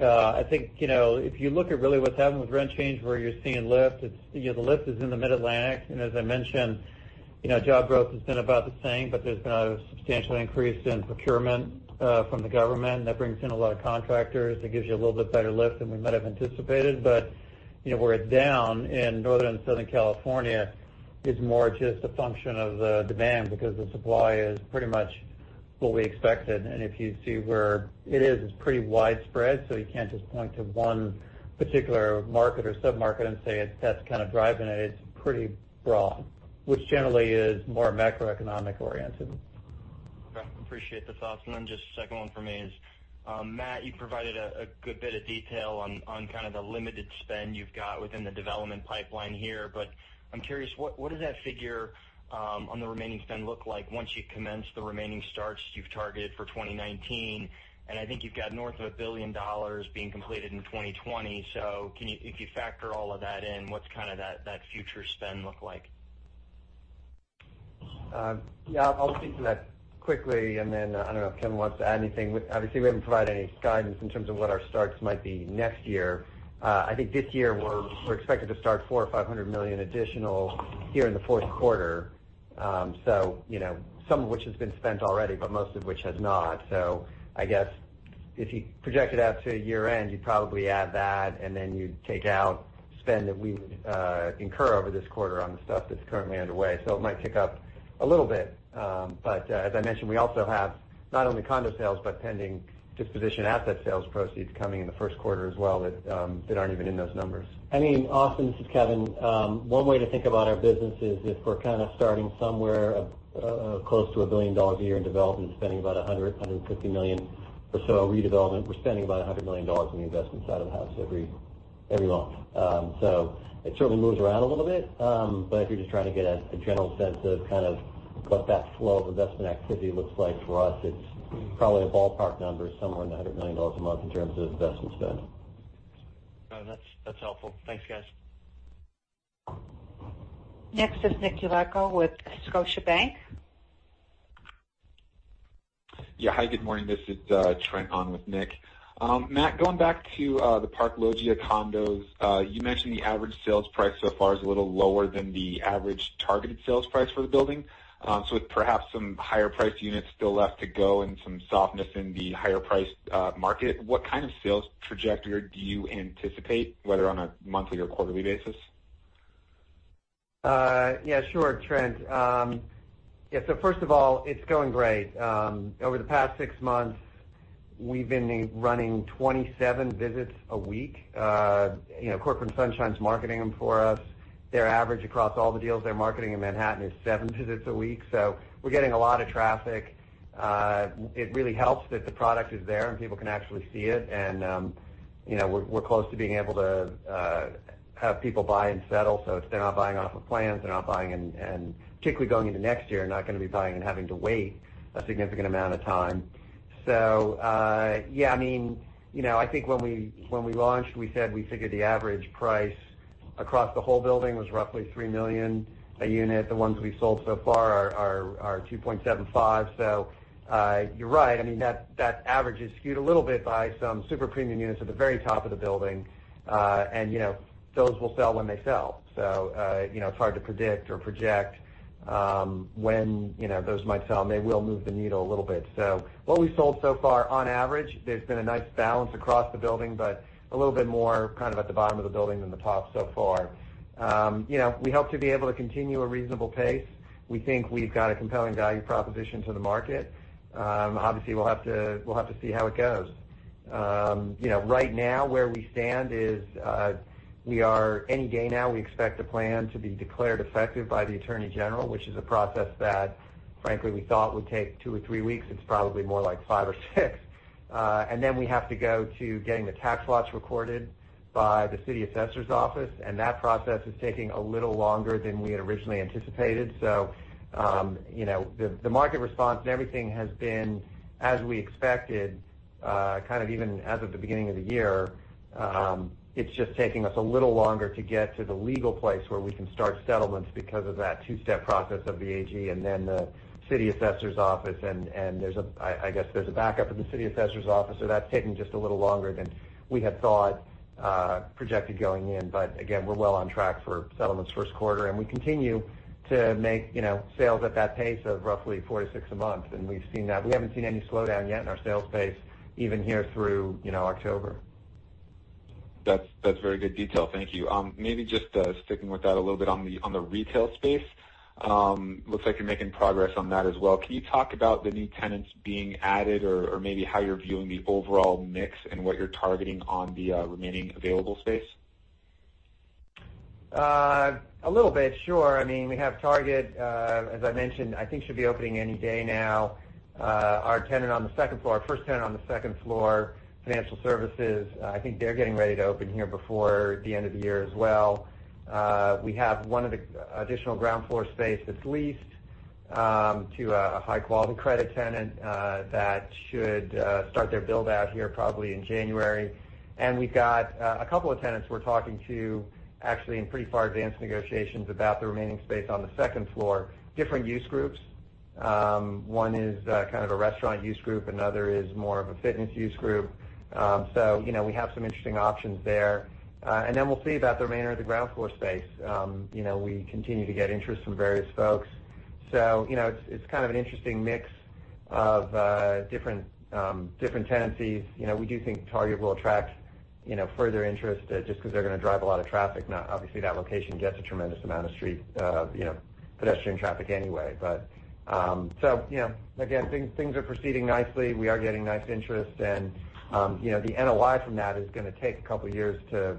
I think, if you look at really what's happened with rent change, where you're seeing lift, the lift is in the Mid-Atlantic. As I mentioned, job growth has been about the same, but there's been a substantial increase in procurement from the government. That brings in a lot of contractors, that gives you a little bit better lift than we might have anticipated. Where it's down in Northern and Southern California is more just a function of the demand because the supply is pretty much what we expected. If you see where it is, it's pretty widespread, so you can't just point to one particular market or sub-market and say that's kind of driving it. It's pretty broad, which generally is more macroeconomic oriented. Okay. Appreciate the thoughts. Just second one for me is, Matt, you provided a good bit of detail on kind of the limited spend you've got within the development pipeline here, but I'm curious, what does that figure on the remaining spend look like once you commence the remaining starts you've targeted for 2019? I think you've got north of $1 billion being completed in 2020. If you factor all of that in, what's kind of that future spend look like? Yeah, I'll speak to that quickly, and then I don't know if Kevin wants to add anything. Obviously, we haven't provided any guidance in terms of what our starts might be next year. I think this year we're expected to start $400 million or $500 million additional here in the fourth quarter. Some of which has been spent already, but most of which has not. I guess if you project it out to year-end, you'd probably add that, and then you'd take out spend that we would incur over this quarter on the stuff that's currently underway. It might tick up a little bit. As I mentioned, we also have not only condo sales, but pending disposition asset sales proceeds coming in the first quarter as well that aren't even in those numbers. Austin, this is Kevin. One way to think about our business is if we're kind of starting somewhere close to $1 billion a year in development and spending about $100 million-$150 million or so on redevelopment. We're spending about $100 million on the investment side of the house every month. It certainly moves around a little bit. If you're just trying to get a general sense of kind of what that flow of investment activity looks like for us, it's probably a ballpark number somewhere in the $100 million a month in terms of investment spend. That's helpful. Thanks, guys. Next is Nicholas Yulico with Scotiabank. Yeah. Hi, good morning. This is Trent on with Nick. Matt, going back to the Park Loggia condos. You mentioned the average sales price so far is a little lower than the average targeted sales price for the building. With perhaps some higher-priced units still left to go and some softness in the higher-priced market, what kind of sales trajectory do you anticipate, whether on a monthly or quarterly basis? Yeah. Sure, Trent. Yeah. First of all, it's going great. Over the past six months, we've been running 27 visits a week. Corcoran Sunshine's marketing them for us. Their average across all the deals they're marketing in Manhattan is seven visits a week. We're getting a lot of traffic. It really helps that the product is there and people can actually see it. We're close to being able to have people buy and settle. They're not buying off of plans. They're not buying and particularly going into next year, not going to be buying and having to wait a significant amount of time. Yeah, I think when we launched, we said we figured the average price across the whole building was roughly $3 million a unit. The ones we've sold so far are $2.75. You're right, that average is skewed a little bit by some super premium units at the very top of the building. Those will sell when they sell. It's hard to predict or project when those might sell, and they will move the needle a little bit. What we've sold so far, on average, there's been a nice balance across the building, but a little bit more kind of at the bottom of the building than the top so far. We hope to be able to continue a reasonable pace. We think we've got a compelling value proposition to the market. Obviously, we'll have to see how it goes. Right now where we stand is, any day now, we expect the plan to be declared effective by the attorney general, which is a process that frankly we thought would take two or three weeks. It's probably more like five or six. We have to go to getting the tax lots recorded by the city assessor's office, and that process is taking a little longer than we had originally anticipated. The market response and everything has been as we expected, kind of even as of the beginning of the year. It's just taking us a little longer to get to the legal place where we can start settlements because of that two-step process of the AG and then the city assessor's office. I guess there's a backup in the city assessor's office, that's taking just a little longer than we had thought, projected going in. Again, we're well on track for settlements first quarter, and we continue to make sales at that pace of roughly four to six a month. We haven't seen any slowdown yet in our sales pace even here through October. That's very good detail. Thank you. Maybe just sticking with that a little bit on the retail space. Looks like you're making progress on that as well. Can you talk about the new tenants being added or maybe how you're viewing the overall mix and what you're targeting on the remaining available space? A little bit. Sure. We have Target, as I mentioned, I think should be opening any day now. Our first tenant on the second floor, financial services, I think they're getting ready to open here before the end of the year as well. We have one of the additional ground floor space that's leased to a high-quality credit tenant that should start their build-out here probably in January. We've got a couple of tenants we're talking to, actually, in pretty far advanced negotiations about the remaining space on the second floor, different use groups. One is kind of a restaurant use group, another is more of a fitness use group. We have some interesting options there. We'll see about the remainder of the ground floor space. We continue to get interest from various folks. It's kind of an interesting mix of different tenancies. We do think Target will attract further interest just because they're going to drive a lot of traffic. Obviously, that location gets a tremendous amount of pedestrian traffic anyway. Again, things are proceeding nicely. We are getting nice interest and the NOI from that is going to take a couple of years to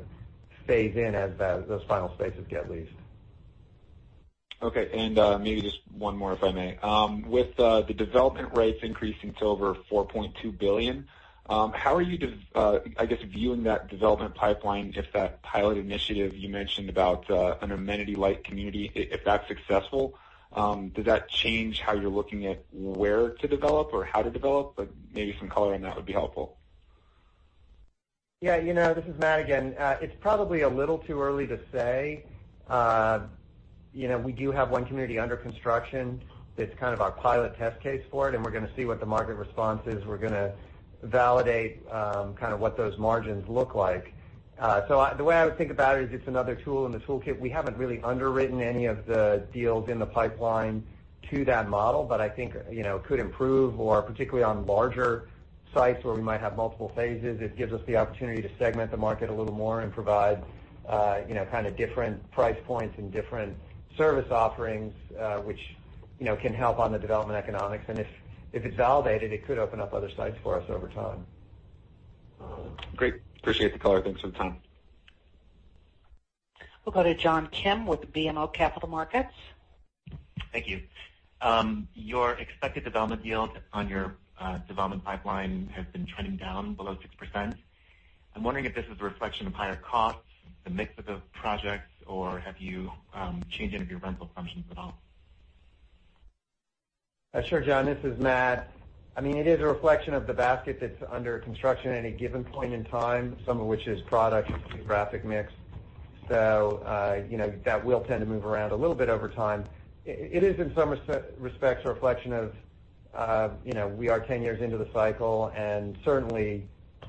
phase in as those final spaces get leased. Okay. Maybe just one more, if I may. With the development rates increasing to over $4.2 billion, how are you, I guess, viewing that development pipeline, if that pilot initiative you mentioned about an amenity-like community, if that's successful, does that change how you're looking at where to develop or how to develop? Maybe some color on that would be helpful. This is Matt again. It's probably a little too early to say. We do have one community under construction that's kind of our pilot test case for it, and we're going to see what the market response is. We're going to validate kind of what those margins look like. The way I would think about it is it's another tool in the toolkit. We haven't really underwritten any of the deals in the pipeline to that model, but I think it could improve, or particularly on larger sites where we might have multiple phases, it gives us the opportunity to segment the market a little more and provide kind of different price points and different service offerings, which can help on the development economics. If it's validated, it could open up other sites for us over time. Great. Appreciate the color. Thanks for the time. We'll go to John Kim with BMO Capital Markets. Thank you. Your expected development yield on your development pipeline has been trending down below 6%. I'm wondering if this is a reflection of higher costs, the mix of the projects, or have you changed any of your rental assumptions at all? Sure, John, this is Matt. It is a reflection of the basket that's under construction at any given point in time, some of which is product geographic mix. That will tend to move around a little bit over time. It is, in some respects, a reflection of we are 10 years into the cycle, and certainly,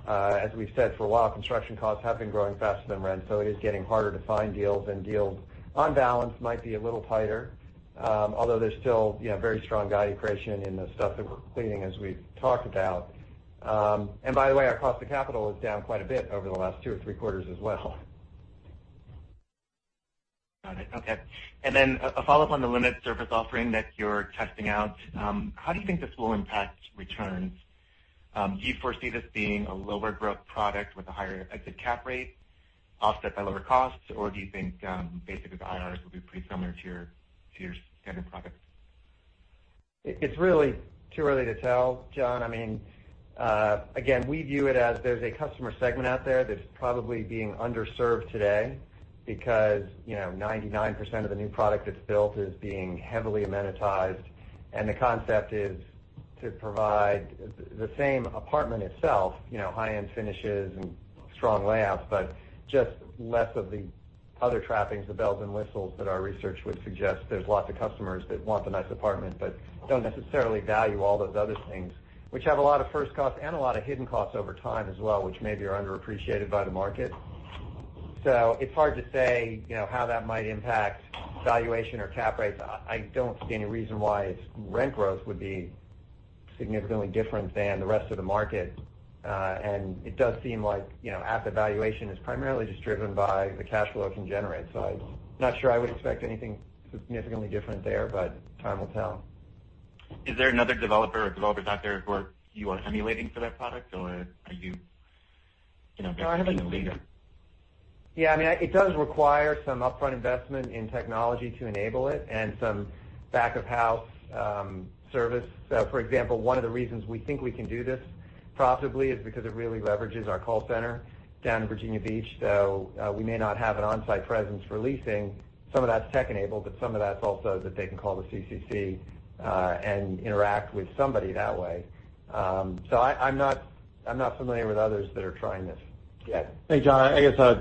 as we've said for a while, construction costs have been growing faster than rent. It is getting harder to find deals, and deals on balance might be a little tighter. Although there's still very strong value creation in the stuff that we're completing, as we've talked about. By the way, our cost of capital is down quite a bit over the last two or three quarters as well. Got it. Okay. A follow-up on the limited service offering that you're testing out. How do you think this will impact returns? Do you foresee this being a lower-growth product with a higher exit cap rate offset by lower costs, or do you think basically the IRRs will be pretty similar to your standard products? It's really too early to tell, John. Again, we view it as there's a customer segment out there that's probably being underserved today because 99% of the new product that's built is being heavily amenitized, and the concept is to provide the same apartment itself, high-end finishes and strong layouts, but just less of the other trappings, the bells and whistles that our research would suggest. There's lots of customers that want the nice apartment but don't necessarily value all those other things, which have a lot of first costs and a lot of hidden costs over time as well, which maybe are underappreciated by the market. It's hard to say how that might impact valuation or cap rates. I don't see any reason why its rent growth would be significantly different than the rest of the market. It does seem like asset valuation is primarily just driven by the cash flow it can generate. I'm not sure I would expect anything significantly different there, but time will tell. Is there another developer or developers out there who you are emulating for that product, or are you-? No, I haven't. being a leader? Yeah, it does require some upfront investment in technology to enable it and some back-of-house service. For example, one of the reasons we think we can do this profitably is because it really leverages our call center down in Virginia Beach, so we may not have an on-site presence for leasing. Some of that's tech-enabled, but some of that's also that they can call the CCC, and interact with somebody that way. I'm not familiar with others that are trying this yet. Hey, John,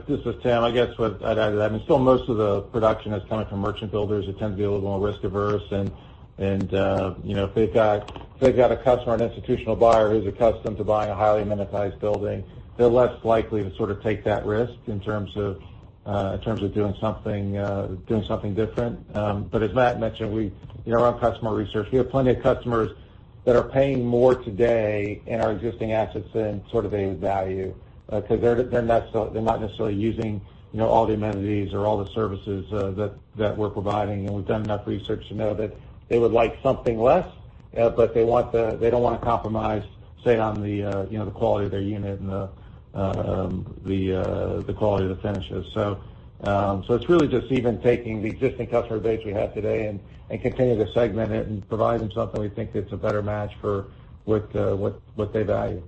this is Tim. I guess what I'd add is, still most of the production is coming from merchant builders who tend to be a little more risk-averse. If they've got a customer, an institutional buyer who's accustomed to buying a highly amenitized building, they're less likely to take that risk in terms of doing something different. As Matt mentioned, in our own customer research, we have plenty of customers that are paying more today in our existing assets than they would value. They're not necessarily using all the amenities or all the services that we're providing, and we've done enough research to know that they would like something less, but they don't want to compromise, say on the quality of their unit and the quality of the finishes. It's really just even taking the existing customer base we have today and continuing to segment it and provide them something we think that's a better match for what they value.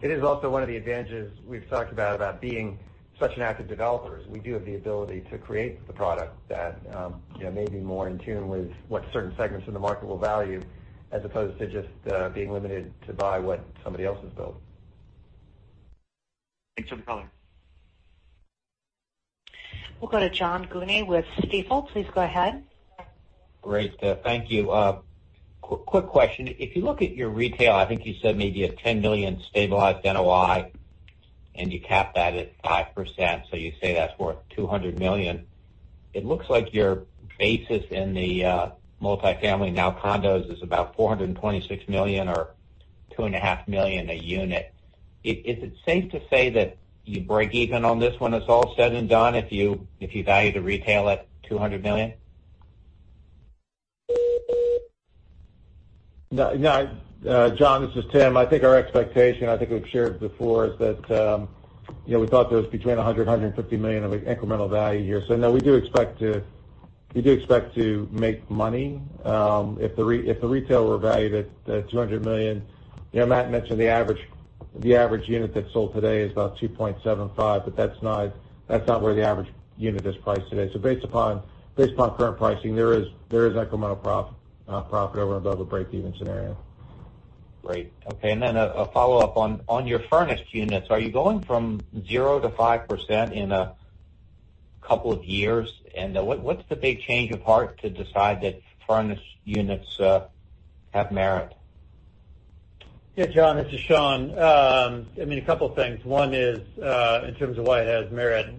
It is also one of the advantages we've talked about being such an active developer, is we do have the ability to create the product that may be more in tune with what certain segments in the market will value, as opposed to just being limited to buy what somebody else has built. Thanks for the color. We'll go to John Guinee with Stifel. Please go ahead. Great. Thank you. Quick question. If you look at your retail, I think you said maybe a $10 million stabilized NOI, and you cap that at 5%, so you say that's worth $200 million. It looks like your basis in the multifamily, now condos, is about $426 million or $2.5 million a unit. Is it safe to say that you break even on this when it's all said and done if you value the retail at $200 million? John, this is Tim. I think our expectation, I think we've shared before, is that we thought there was between $100 million-$150 million of incremental value here. No, we do expect to make money if the retail were valued at $200 million. Matt mentioned the average unit that sold today is about $2.75, but that's not where the average unit is priced today. Based upon current pricing, there is incremental profit over and above a break-even scenario. Great. Okay. A follow-up. On your furnished units, are you going from zero to 5% in a couple of years? What's the big change of heart to decide that furnished units have merit? Yeah, John, this is Sean. A couple of things. One is, in terms of why it has merit.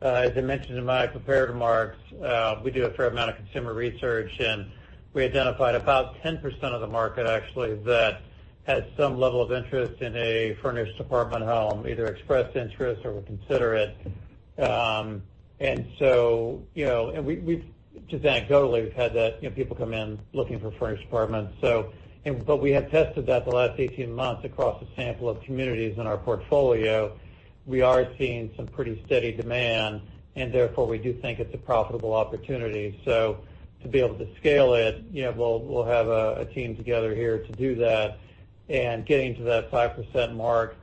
As I mentioned in my prepared remarks, we do a fair amount of consumer research, and we identified about 10% of the market, actually, that has some level of interest in a furnished apartment home, either expressed interest or would consider it. Anecdotally, we've had people come in looking for furnished apartments. We have tested that the last 18 months across a sample of communities in our portfolio. We are seeing some pretty steady demand, and therefore, we do think it's a profitable opportunity. To be able to scale it, we'll have a team together here to do that. Getting to that 5% mark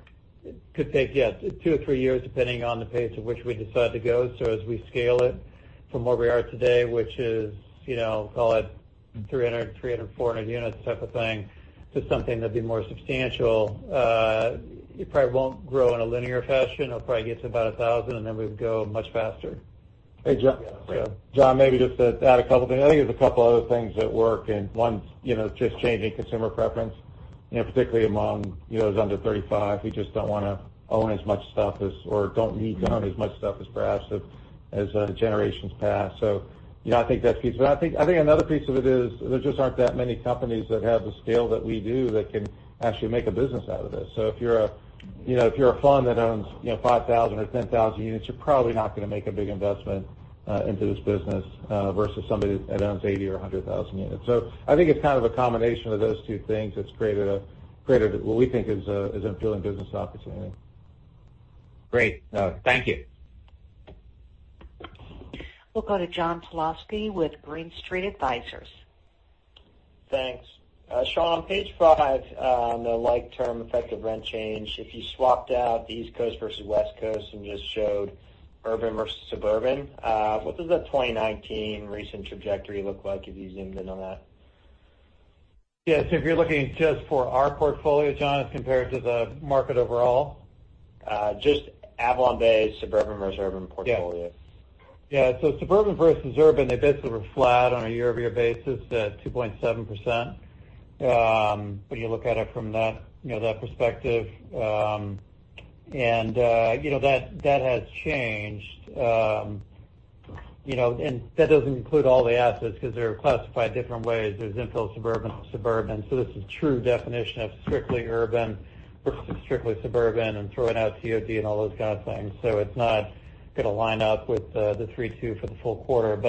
could take, yeah, two or three years, depending on the pace at which we decide to go. As we scale it from where we are today, which is, call it 300, 400 units type of thing, to something that'd be more substantial. It probably won't grow in a linear fashion. It'll probably get to about 1,000, and then we'd go much faster. Hey, John. Maybe just to add a couple things. I think there's a couple other things at work, and one's just changing consumer preference, particularly among those under 35, who just don't want to own as much stuff or don't need to own as much stuff as perhaps as generations past. I think that's a piece of it. I think another piece of it is there just aren't that many companies that have the scale that we do that can actually make a business out of this. If you're a fund that owns 5,000 or 10,000 units, you're probably not going to make a big investment into this business versus somebody that owns 80,000 or 100,000 units. I think it's kind of a combination of those two things that's created what we think is an appealing business opportunity. Great. Thank you. We'll go to John Pawlowski with Green Street Advisors. Thanks. Sean, page five on the like term effective rent change. If you swapped out the East Coast versus West Coast and just showed urban versus suburban, what does the 2019 recent trajectory look like if you zoomed in on that? Yeah. If you're looking just for our portfolio, John, as compared to the market overall? Just AvalonBay suburban versus urban portfolio. Suburban versus urban, the bits that were flat on a year-over-year basis at 2.7%. You look at it from that perspective, and that has changed. That doesn't include all the assets because they're classified different ways. There's infill suburban, so this is true definition of strictly urban versus strictly suburban and throwing out TOD and all those kind of things. It's not going to line up with the 3-2 for the full quarter.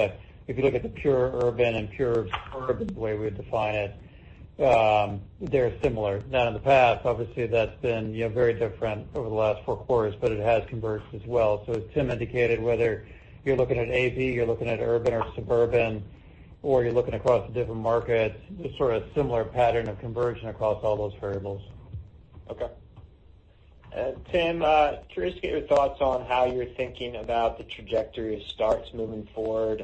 If you look at the pure urban and pure suburban the way we would define it, they're similar. Now in the past, obviously, that's been very different over the last four quarters, but it has converged as well. As Tim indicated, whether you're looking at AV, you're looking at urban or suburban, or you're looking across the different markets, sort of similar pattern of conversion across all those variables. Okay. Tim, curious to get your thoughts on how you're thinking about the trajectory of starts moving forward.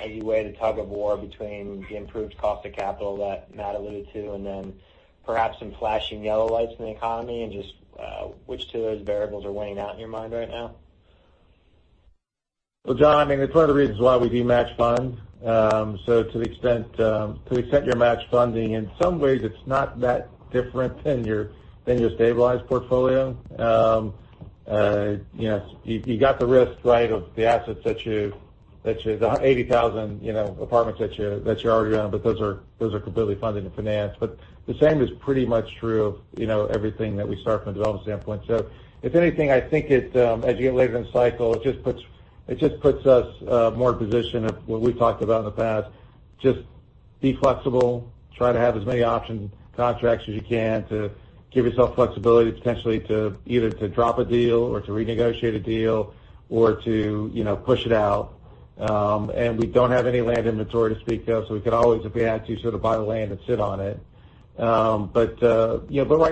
Any way the tug-of-war between the improved cost of capital that Matt alluded to, and then perhaps some flashing yellow lights in the economy, and just which two of those variables are weighing out in your mind right now? Well, John, it's one of the reasons why we do match funds. To the extent you match funding, in some ways, it's not that different than your stabilized portfolio. You got the risk of the assets, the 80,000 apartments that you're already on, but those are completely funded and financed. The same is pretty much true of everything that we start from a development standpoint. If anything, I think as you get later in the cycle, it just puts us more in position of what we've talked about in the past. Just be flexible, try to have as many option contracts as you can to give yourself flexibility, potentially to either drop a deal or to renegotiate a deal, or to push it out. We don't have any land inventory to speak of. We could always, if we had to, buy the land and sit on it. Right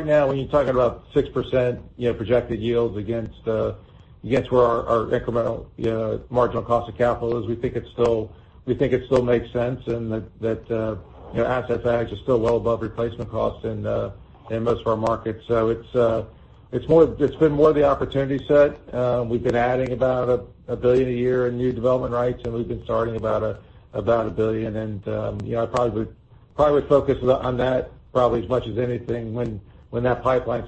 now, when you're talking about 6% projected yields against where our incremental marginal cost of capital is, we think it still makes sense and that asset values are still well above replacement cost in most of our markets. It's been more of the opportunity set. We've been adding about $1 billion a year in new development rights, and we've been starting about $1 billion. I probably would focus on that probably as much as anything when that pipeline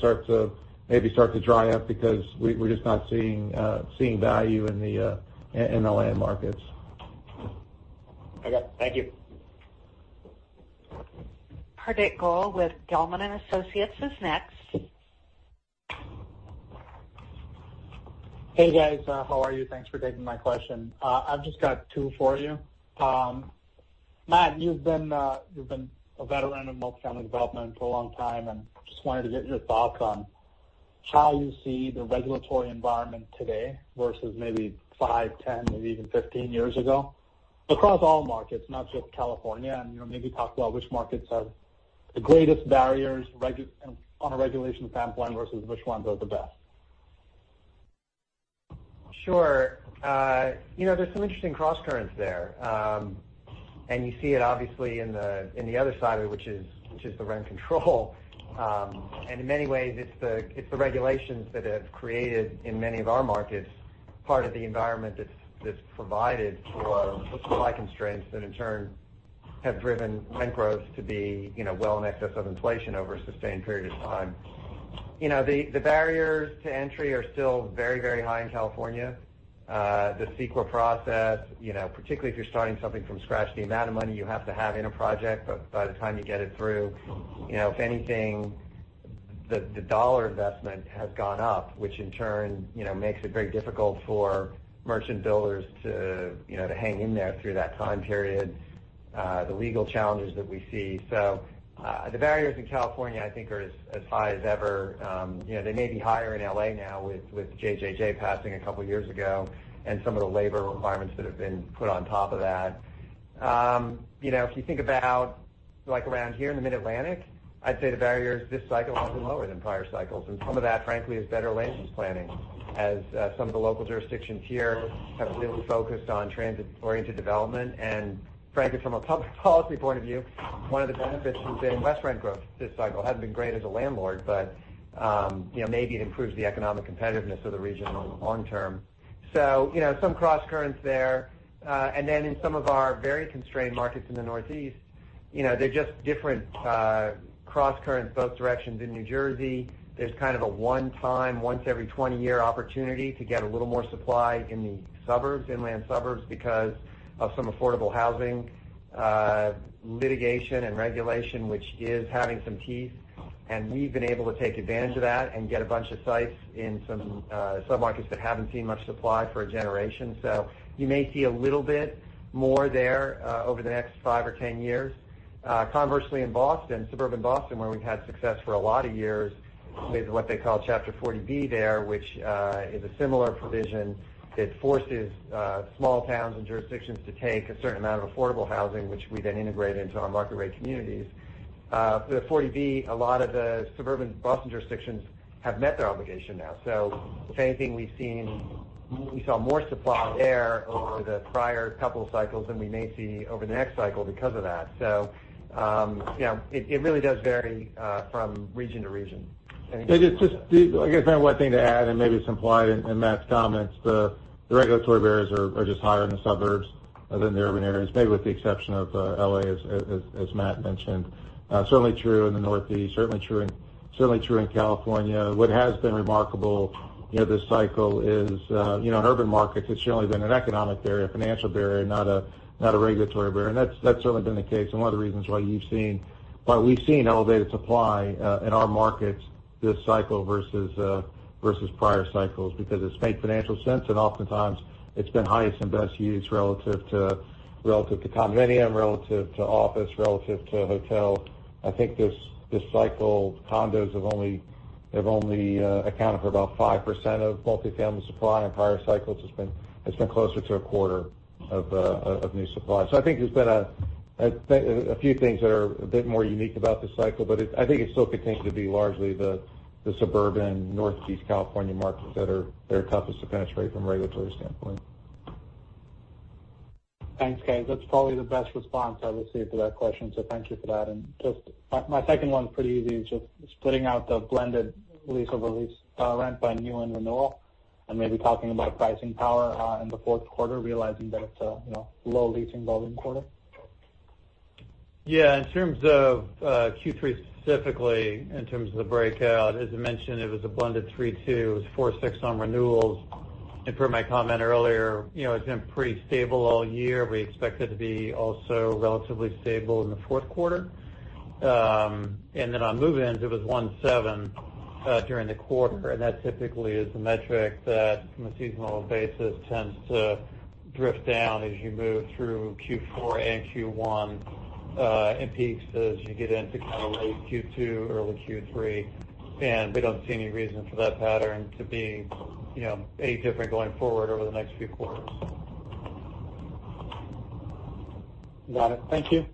maybe starts to dry up, because we're just not seeing value in the land markets. Okay, thank you. Hardik Goel with Zelman & Associates is next. Hey, guys. How are you? Thanks for taking my question. I've just got two for you. Matt, you've been a veteran of multifamily development for a long time, and just wanted to get your thoughts on how you see the regulatory environment today versus maybe five, 10, maybe even 15 years ago. Across all markets, not just California, and maybe talk about which markets have the greatest barriers on a regulation standpoint versus which ones are the best. Sure. There's some interesting crosscurrents there. You see it obviously in the other side of it, which is the rent control. In many ways, it's the regulations that have created, in many of our markets, part of the environment that's provided for supply constraints that in turn have driven rent growth to be well in excess of inflation over a sustained period of time. The barriers to entry are still very, very high in California. The CEQA process, particularly if you're starting something from scratch, the amount of money you have to have in a project by the time you get it through. If anything, the dollar investment has gone up, which in turn, makes it very difficult for merchant builders to hang in there through that time period. The legal challenges that we see. The barriers in California, I think, are as high as ever. They may be higher in L.A. now with Measure JJJ passing a couple of years ago and some of the labor requirements that have been put on top of that. If you think about around here in the Mid-Atlantic, I'd say the barriers this cycle have been lower than prior cycles, some of that, frankly, is better land use planning, as some of the local jurisdictions here have really focused on transit-oriented development. Frankly, from a public policy point of view, one of the benefits has been less rent growth this cycle. Hasn't been great as a landlord, maybe it improves the economic competitiveness of the region long-term. Some crosscurrents there. In some of our very constrained markets in the Northeast, they're just different crosscurrents both directions. In New Jersey, there's kind of a one-time, once every 20-year opportunity to get a little more supply in the suburbs, inland suburbs, because of some affordable housing litigation and regulation, which is having some teeth. We've been able to take advantage of that and get a bunch of sites in some sub-markets that haven't seen much supply for a generation. You may see a little bit more there over the next five or 10 years. Conversely, in Boston, suburban Boston, where we've had success for a lot of years with what they call Chapter 40B there, which is a similar provision that forces small towns and jurisdictions to take a certain amount of affordable housing, which we then integrate into our market-rate communities. The 40B, a lot of the suburban Boston jurisdictions have met their obligation now. If anything, we saw more supply there over the prior couple of cycles than we may see over the next cycle because of that. It really does vary from region to region. Just one thing to add, and maybe it's implied in Matt's comments, the regulatory barriers are just higher in the suburbs than the urban areas, maybe with the exception of L.A., as Matt mentioned. Certainly true in the Northeast, certainly true in California. What has been remarkable this cycle is in urban markets, it's generally been an economic barrier, a financial barrier, not a regulatory barrier. That's certainly been the case, and one of the reasons why we've seen elevated supply in our markets this cycle versus prior cycles, because it's made financial sense, and oftentimes it's been highest and best use relative to condominium, relative to office, relative to hotel. I think this cycle, condos have only accounted for about 5% of multifamily supply. In prior cycles, it's been closer to a quarter of new supply. I think there's been a few things that are a bit more unique about this cycle, but I think it still continues to be largely the suburban Northeast California markets that are toughest to penetrate from a regulatory standpoint. Thanks, guys. That's probably the best response I'll receive to that question, so thank you for that. Just my second one's pretty easy, just splitting out the blended lease over lease rent by new and renewal and maybe talking about pricing power, in the fourth quarter, realizing that it's a low leasing volume quarter. Yeah. In terms of Q3 specifically, in terms of the breakout, as I mentioned, it was a blended 3.2%. It was 4.6% on renewals. Per my comment earlier, it's been pretty stable all year. We expect it to be also relatively stable in the fourth quarter. On move-ins, it was 1.7% during the quarter, and that typically is the metric that from a seasonal basis, tends to drift down as you move through Q4 and Q1, and peaks as you get into kind of late Q2, early Q3. We don't see any reason for that pattern to be different going forward over the next few quarters. Got it. Thank you.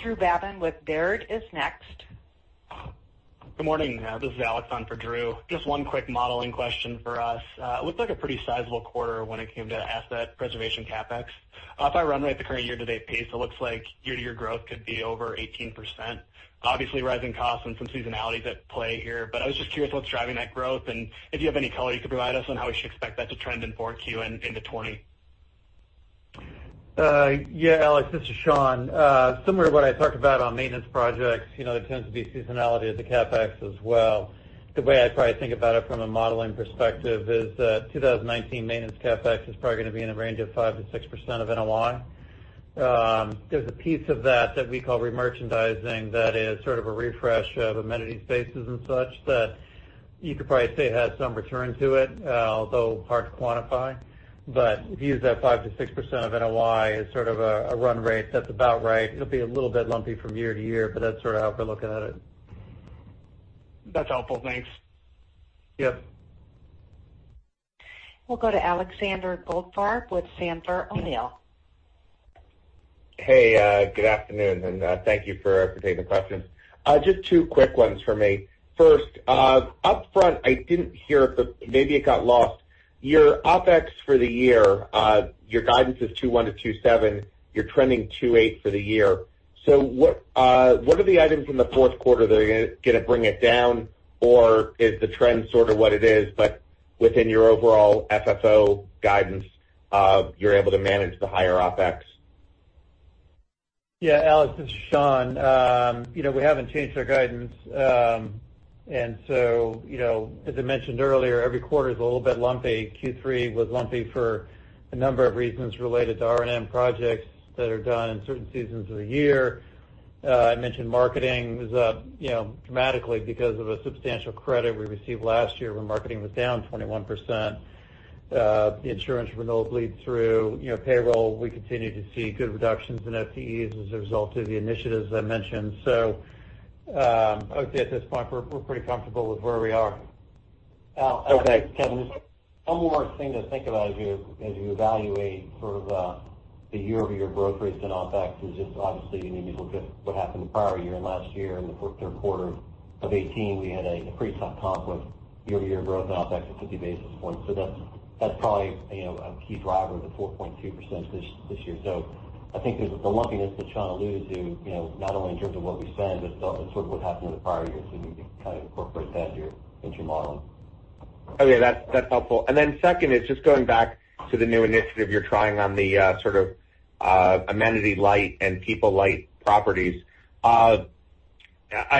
Drew Babin with Baird is next. Good morning. This is Alex on for Drew. Just one quick modeling question for us. It looked like a pretty sizable quarter when it came to asset preservation CapEx. If I run right at the current year-to-date pace, it looks like year-to-year growth could be over 18%. Obviously, rising costs and some seasonality is at play here, but I was just curious what's driving that growth and if you have any color you could provide us on how we should expect that to trend in 4Q and into 2020. Yeah, Alex, this is Sean. Similar to what I talked about on maintenance projects, there tends to be seasonality as a CapEx as well. The way I'd probably think about it from a modeling perspective is that 2019 maintenance CapEx is probably going to be in the range of 5%-6% of NOI. There's a piece of that we call remerchandising that is sort of a refresh of amenity spaces and such that you could probably say has some return to it, although hard to quantify. If you use that 5%-6% of NOI as sort of a run rate, that's about right. It'll be a little bit lumpy from year to year, but that's sort of how we're looking at it. That's helpful. Thanks. Yep. We'll go to Alexander Goldfarb with Sandler O'Neill. Good afternoon, and thank you for taking the questions. Just two quick ones from me. First, upfront, I didn't hear it, but maybe it got lost. Your OpEx for the year, your guidance is 2.1%-2.7%. You're trending 2.8% for the year. What are the items in the fourth quarter that are going to bring it down? Is the trend sort of what it is, but within your overall FFO guidance, you're able to manage the higher OpEx? Alex, this is Sean. We haven't changed our guidance. As I mentioned earlier, every quarter is a little bit lumpy. Q3 was lumpy for a number of reasons related to R&M projects that are done in certain seasons of the year. I mentioned marketing is dramatically because of a substantial credit we received last year when marketing was down 21%. The insurance renewals bleed through. Payroll, we continue to see good reductions in FTEs as a result of the initiatives I mentioned. I would say at this point, we're pretty comfortable with where we are. Okay. Kevin, just one more thing to think about as you evaluate sort of the year-over-year growth rates in OpEx is just obviously, you need to look at what happened the prior year and last year in the third quarter of 2018, we had a pretty tough comp with year-over-year growth in OpEx of 50 basis points. That's probably a key driver of the 4.2% this year. I think the lumpiness that Sean alludes to, not only in terms of what we spend, but sort of what happened in the prior year. You need to kind of incorporate that into your modeling. Okay. That's helpful. Second is just going back to the new initiative you're trying on the sort of amenity-light and people-light properties. I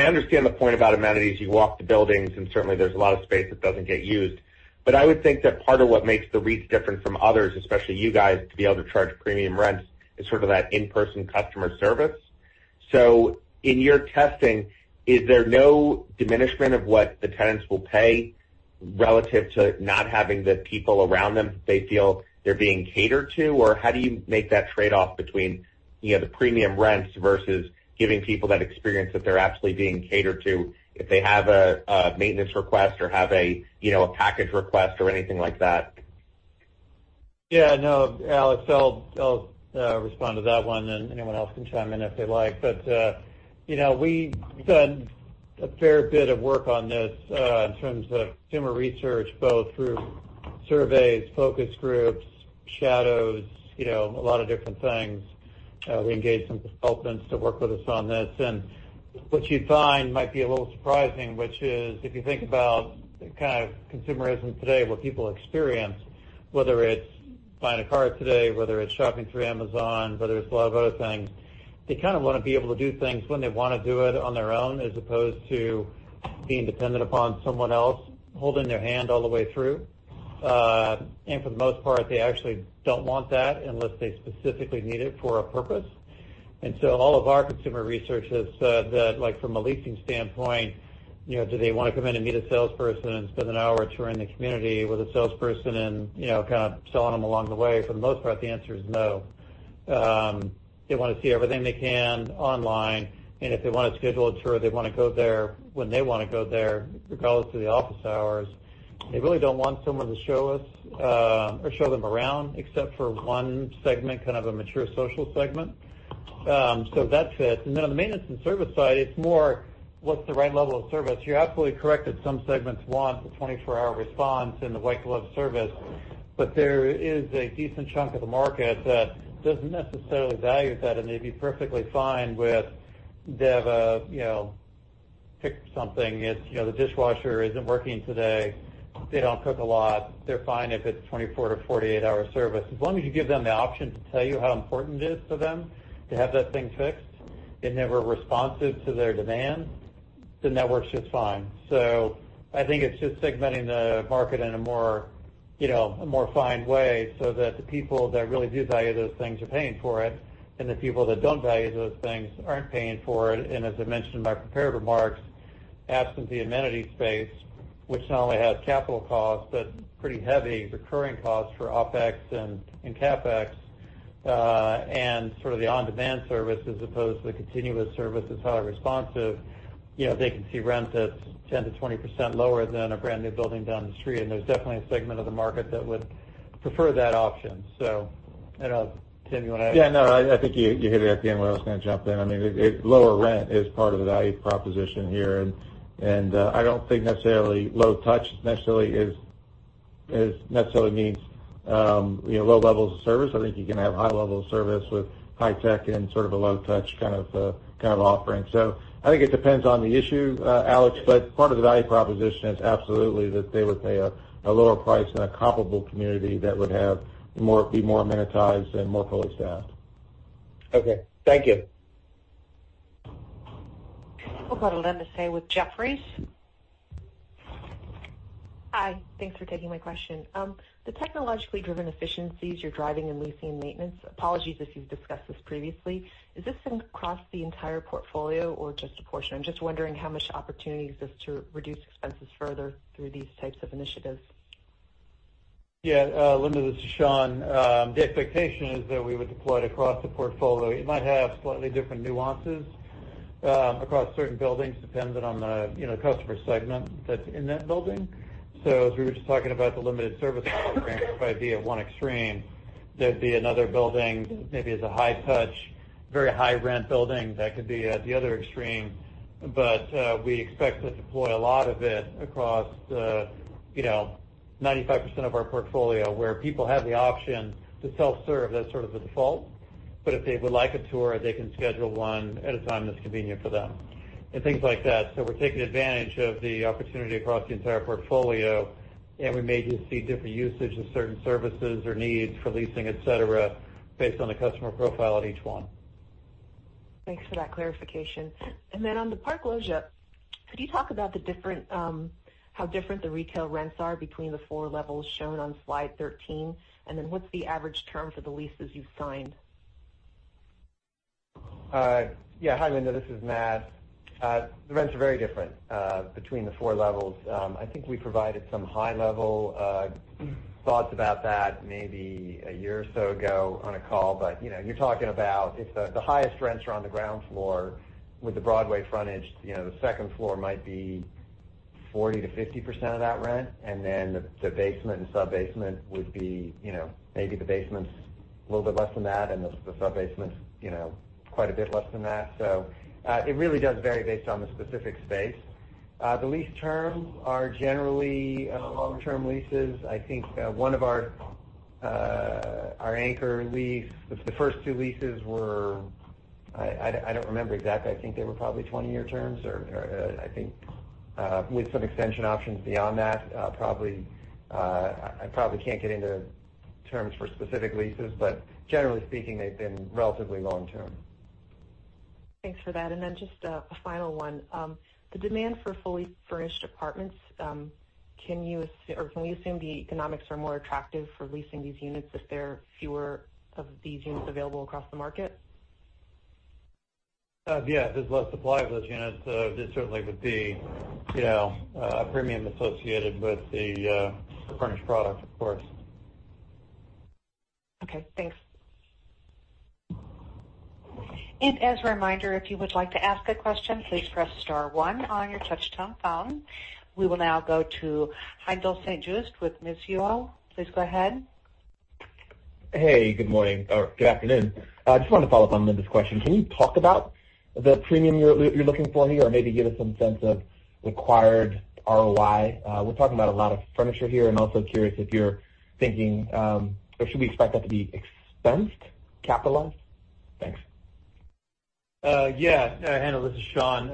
understand the point about amenities. You walk the buildings and certainly there's a lot of space that doesn't get used. I would think that part of what makes the REITs different from others, especially you guys, to be able to charge premium rents, is sort of that in-person customer service. In your testing, is there no diminishment of what the tenants will pay relative to not having the people around them that they feel they're being catered to? How do you make that trade-off between the premium rents versus giving people that experience that they're actually being catered to if they have a maintenance request or have a package request or anything like that? Yeah. No, Alex, I'll respond to that one, and anyone else can chime in if they like. We've done a fair bit of work on this, in terms of consumer research, both through surveys, focus groups, shadows, a lot of different things. We engaged some consultants to work with us on this. What you'd find might be a little surprising, which is if you think about the kind of consumerism today, what people experience, whether it's buying a car today, whether it's shopping through Amazon, whether it's a lot of other things, they kind of want to be able to do things when they want to do it on their own, as opposed to being dependent upon someone else holding their hand all the way through. For the most part, they actually don't want that unless they specifically need it for a purpose. All of our consumer research has said that, like from a leasing standpoint, do they want to come in and meet a salesperson and spend an hour touring the community with a salesperson and kind of selling them along the way? For the most part, the answer is no. They want to see everything they can online, and if they want to schedule a tour, they want to go there when they want to go there, regardless of the office hours. They really don't want someone to show them around except for one segment, kind of a mature social segment. That's it. On the maintenance and service side, it's more what's the right level of service? You're absolutely correct that some segments want the 24-hour response and the white glove service, there is a decent chunk of the market that doesn't necessarily value that, they'd be perfectly fine with pick something. If the dishwasher isn't working today, they don't cook a lot, they're fine if it's 24-48 hour service. As long as you give them the option to tell you how important it is for them to have that thing fixed, if we're responsive to their demand, that works just fine. I think it's just segmenting the market in a more fine way so that the people that really do value those things are paying for it, the people that don't value those things aren't paying for it. As I mentioned in my prepared remarks, absent the amenity space, which not only has capital costs, but pretty heavy recurring costs for OpEx and CapEx, and sort of the on-demand service, as opposed to the continuous service that's highly responsive, they can see rents that's 10%-20% lower than a brand-new building down the street, and there's definitely a segment of the market that would prefer that option. I don't know, Tim, you want to? Yeah, no, I think you hit it at the end where I was going to jump in. Lower rent is part of the value proposition here, and I don't think necessarily low touch necessarily means low levels of service. I think you can have high levels of service with high tech and sort of a low touch kind of offering. I think it depends on the issue, Alex, but part of the value proposition is absolutely that they would pay a lower price in a comparable community that would be more amenitized and more fully staffed. Okay. Thank you. We'll go to Linda Tsai with Jefferies. Hi. Thanks for taking my question. The technologically driven efficiencies you're driving in leasing maintenance, apologies if you've discussed this previously, is this across the entire portfolio or just a portion? I'm just wondering how much opportunity exists to reduce expenses further through these types of initiatives. Yeah, Linda, this is Sean. The expectation is that we would deploy it across the portfolio. It might have slightly different nuances across certain buildings, dependent on the customer segment that's in that building. As we were just talking about the limited service program might be at one extreme, there'd be another building that maybe is a high touch, very high rent building that could be at the other extreme. We expect to deploy a lot of it across 95% of our portfolio, where people have the option to self-serve as sort of the default. If they would like a tour, they can schedule one at a time that's convenient for them, and things like that. We're taking advantage of the opportunity across the entire portfolio, and we may just see different usage of certain services or needs for leasing, et cetera, based on the customer profile at each one. Thanks for that clarification. On the Park Loggia, could you talk about how different the retail rents are between the four levels shown on slide 13? What's the average term for the leases you've signed? Hi, Linda, this is Matt. The rents are very different between the four levels. I think we provided some high-level thoughts about that maybe a year or so ago on a call. You're talking about the highest rents are on the ground floor with the Broadway frontage. The second floor might be 40%-50% of that rent, and then the basement and sub-basement would be maybe the basement's a little bit less than that, and the sub-basement's quite a bit less than that. It really does vary based on the specific space. The lease terms are generally long-term leases. I think one of our anchor lease, the first two leases were I don't remember exactly. I think they were probably 20-year terms, or I think with some extension options beyond that. I probably can't get into terms for specific leases, but generally speaking, they've been relatively long-term. Thanks for that. Just a final one. The demand for fully furnished apartments, can we assume the economics are more attractive for leasing these units if there are fewer of these units available across the market? Yeah. If there's less supply of those units, there certainly would be a premium associated with the furnished product, of course. Okay, thanks. As a reminder, if you would like to ask a question, please press star one on your touch-tone phone. We will now go to Haendel St. Juste with Mizuho. Please go ahead. Hey, good morning. Good afternoon. I just wanted to follow up on Linda's question. Can you talk about the premium you're looking for here, or maybe give us some sense of required ROI? We're talking about a lot of furniture here, and I'm also curious if you're thinking Or should we expect that to be expensed, capitalized? Thanks. Yeah. Haendel, this is Sean.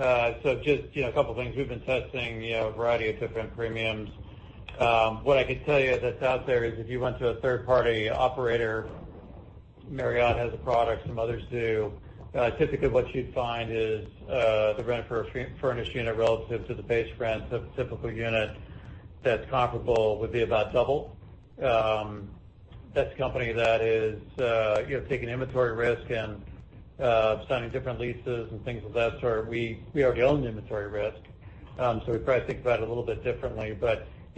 Just a couple of things. We've been testing a variety of different premiums. What I could tell you that's out there is if you went to a third-party operator, Marriott has a product, some others do, typically what you'd find is the rent for a furnished unit relative to the base rent of a typical unit that's comparable would be about double. That's a company that is taking inventory risk and signing different leases and things of that sort. We already own the inventory risk, so we probably think about it a little bit differently.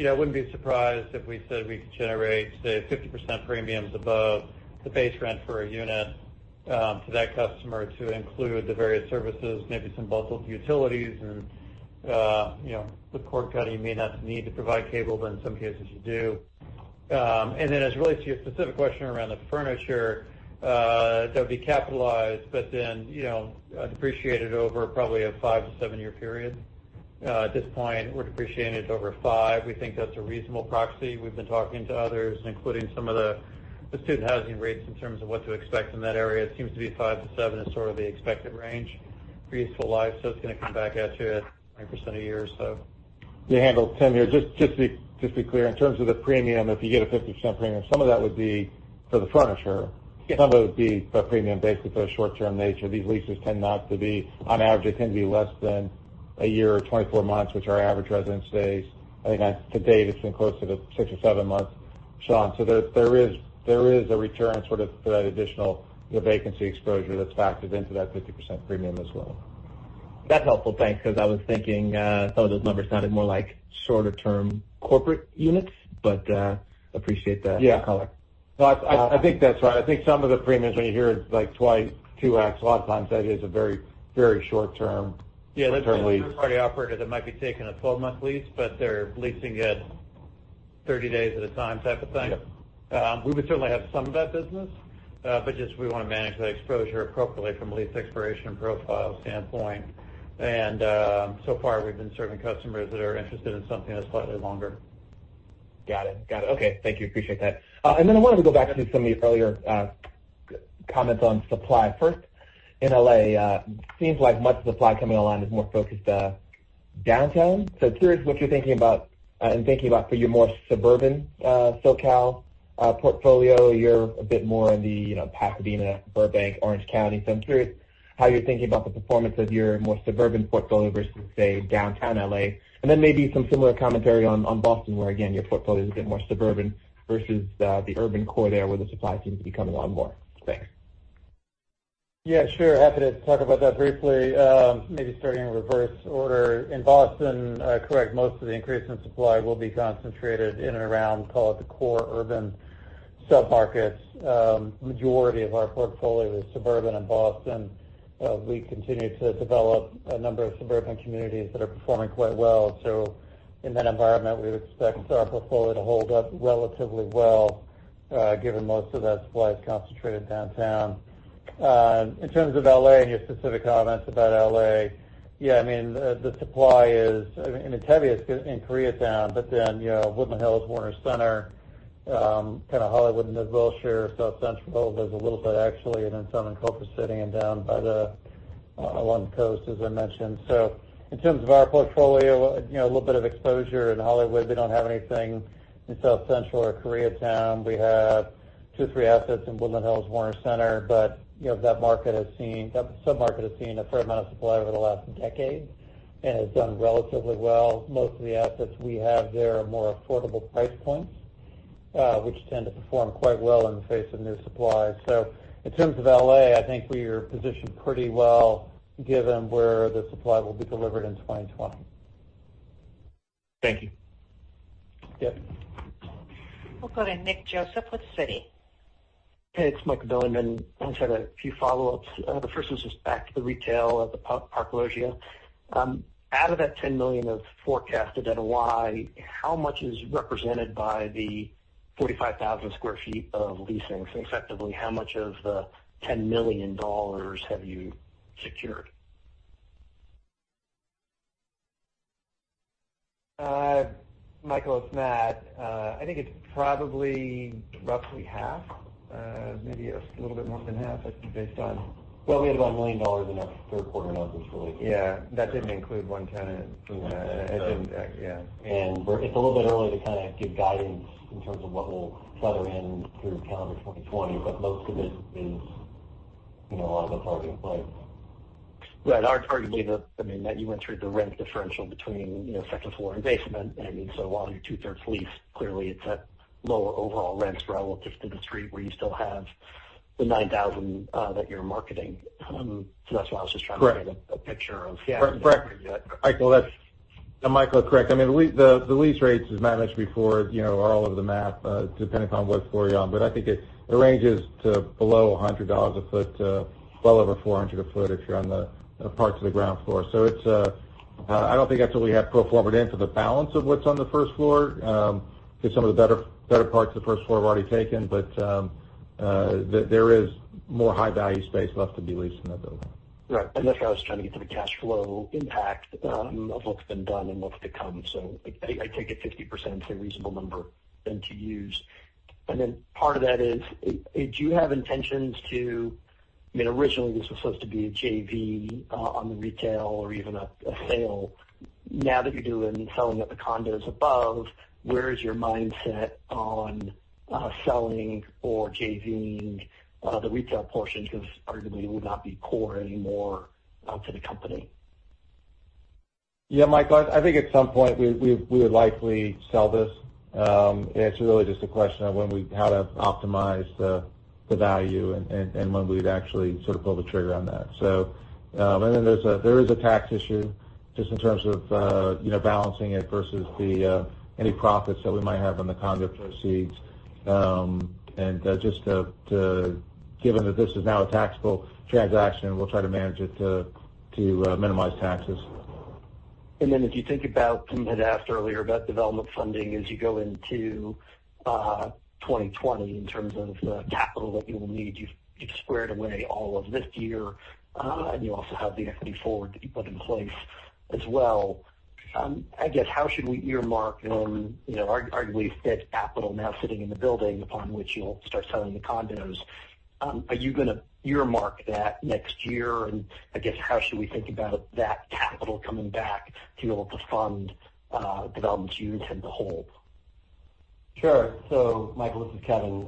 I wouldn't be surprised if we said we could generate, say, 50% premiums above the base rent for a unit to that customer to include the various services, maybe some bundled utilities and the core county may not need to provide cable, but in some cases you do. As it relates to your specific question around the furniture, that would be capitalized, but then depreciated over probably a 5- 7 year period. At this point, we're depreciating it over five. We think that's a reasonable proxy. We've been talking to others, including some of the student housing REITs in terms of what to expect in that area. It seems to be 5-7 is sort of the expected range for useful life. It's going to come back at you at 20% a year or so. Haendel, Tim, here. Just to be clear, in terms of the premium, if you get a 50% premium, some of that would be for the furniture. Yes. Some of it would be the premium based with the short-term nature. These leases tend not to be, on average, they tend to be less than a year or 24 months, which our average residence stays, I think to date, it's been closer to six or seven months, Sean. There is a return sort of for that additional vacancy exposure that's factored into that 50% premium as well. That's helpful. Thanks. Because I was thinking some of those numbers sounded more like shorter-term corporate units, but appreciate that color. Yeah. No, I think that's right. I think some of the premiums when you hear it's like twice, 2x, a lot of times that is a very short term. Yeah. Third-party operator that might be taking a 12-month lease, but they're leasing it 30 days at a time type of thing. Yeah. We would certainly have some of that business. Just we want to manage the exposure appropriately from a lease expiration profile standpoint. So far, we've been serving customers that are interested in something that's slightly longer. Got it. Okay. Thank you. Appreciate that. I wanted to go back to some of the earlier comments on supply first in L.A. Seems like much of the supply coming online is more focused downtown. Curious what you're thinking about for your more suburban SoCal portfolio. You're a bit more in the Pasadena, Burbank, Orange County. I'm curious how you're thinking about the performance of your more suburban portfolio versus, say, downtown L.A., and then maybe some similar commentary on Boston, where again, your portfolio is a bit more suburban versus the urban core there where the supply seems to be coming on more. Thanks. Yeah, sure. Happy to talk about that briefly. Maybe starting in reverse order. In Boston, correct, most of the increase in supply will be concentrated in and around call it the core urban sub-markets. Majority of our portfolio is suburban in Boston. We continue to develop a number of suburban communities that are performing quite well. In that environment, we would expect our portfolio to hold up relatively well, given most of that supply is concentrated downtown. In terms of L.A. and your specific comments about L.A., yeah, the supply is the heaviest in Koreatown, then Woodland Hills, Warner Center, kind of Hollywood and Mid-Wilshire, South Central, there's a little bit actually, and then some in Culver City and down along the coast, as I mentioned. In terms of our portfolio, a little bit of exposure in Hollywood. We don't have anything in South Central or Koreatown. We have two, three assets in Woodland Hills, Warner Center. That sub-market has seen a fair amount of supply over the last decade and has done relatively well. Most of the assets we have there are more affordable price points, which tend to perform quite well in the face of new supply. In terms of L.A., I think we are positioned pretty well given where the supply will be delivered in 2020. Thank you. Yep. We'll go to Nicholas Joseph with Citi. Hey, it's Michael Bilerman. I just had a few follow-ups. The first was just back to the retail at the Park Loggia. Out of that $10 million of forecasted NOI, how much is represented by the 45,000 sq ft of leasing? Effectively, how much of the $10 million have you secured? Michael, it's Matt. I think it's probably roughly half, maybe a little bit more than half, I think, based on. Well, we had about $1 million in our third quarter notebooks release. Yeah. That didn't include one tenant. One tenant. It didn't, yeah. It's a little bit early to kind of give guidance in terms of what we'll feather in through calendar 2020, but most of it is a lot of those are in place. Right. Arguably, Matt, you went through the rent differential between second floor and basement. While you're two-thirds leased, clearly it's at lower overall rents relative to the street where you still have the 9,000 that you're marketing. Correct get a picture of- Yeah. Michael, that's correct. The lease rates, as Matt mentioned before, are all over the map, depending upon what floor you're on. I think it ranges to below $100 a foot to well over $400 a foot if you're on the parts of the ground floor. I don't think absolutely we have full forward into the balance of what's on the first floor, because some of the better parts of the first floor have already taken, but there is more high-value space left to be leased in that building. Right. That's why I was trying to get to the cash flow impact of what's been done and what's to come. I take it 50% is a reasonable number then to use. Part of that is, do you have intentions to Originally, this was supposed to be a JV on the retail or even a sale. Now that you're doing selling of the condos above, where is your mindset on selling or JV-ing the retail portion? Arguably it would not be core anymore to the company. Yeah, Michael, I think at some point we would likely sell this. It's really just a question of how to optimize the value and when we'd actually sort of pull the trigger on that. There is a tax issue just in terms of balancing it versus any profits that we might have on the condo proceeds. Given that this is now a taxable transaction, we'll try to manage it to minimize taxes. As you think about, Tim had asked earlier about development funding as you go into 2020 in terms of the capital that you will need. You've squared away all of this year, and you also have the equity forward that you put in place as well. I guess, how should we earmark arguably dead capital now sitting in the building upon which you'll start selling the condos? Are you going to earmark that next year? I guess, how should we think about that capital coming back to be able to fund developments you intend to hold? Sure. Michael, this is Kevin.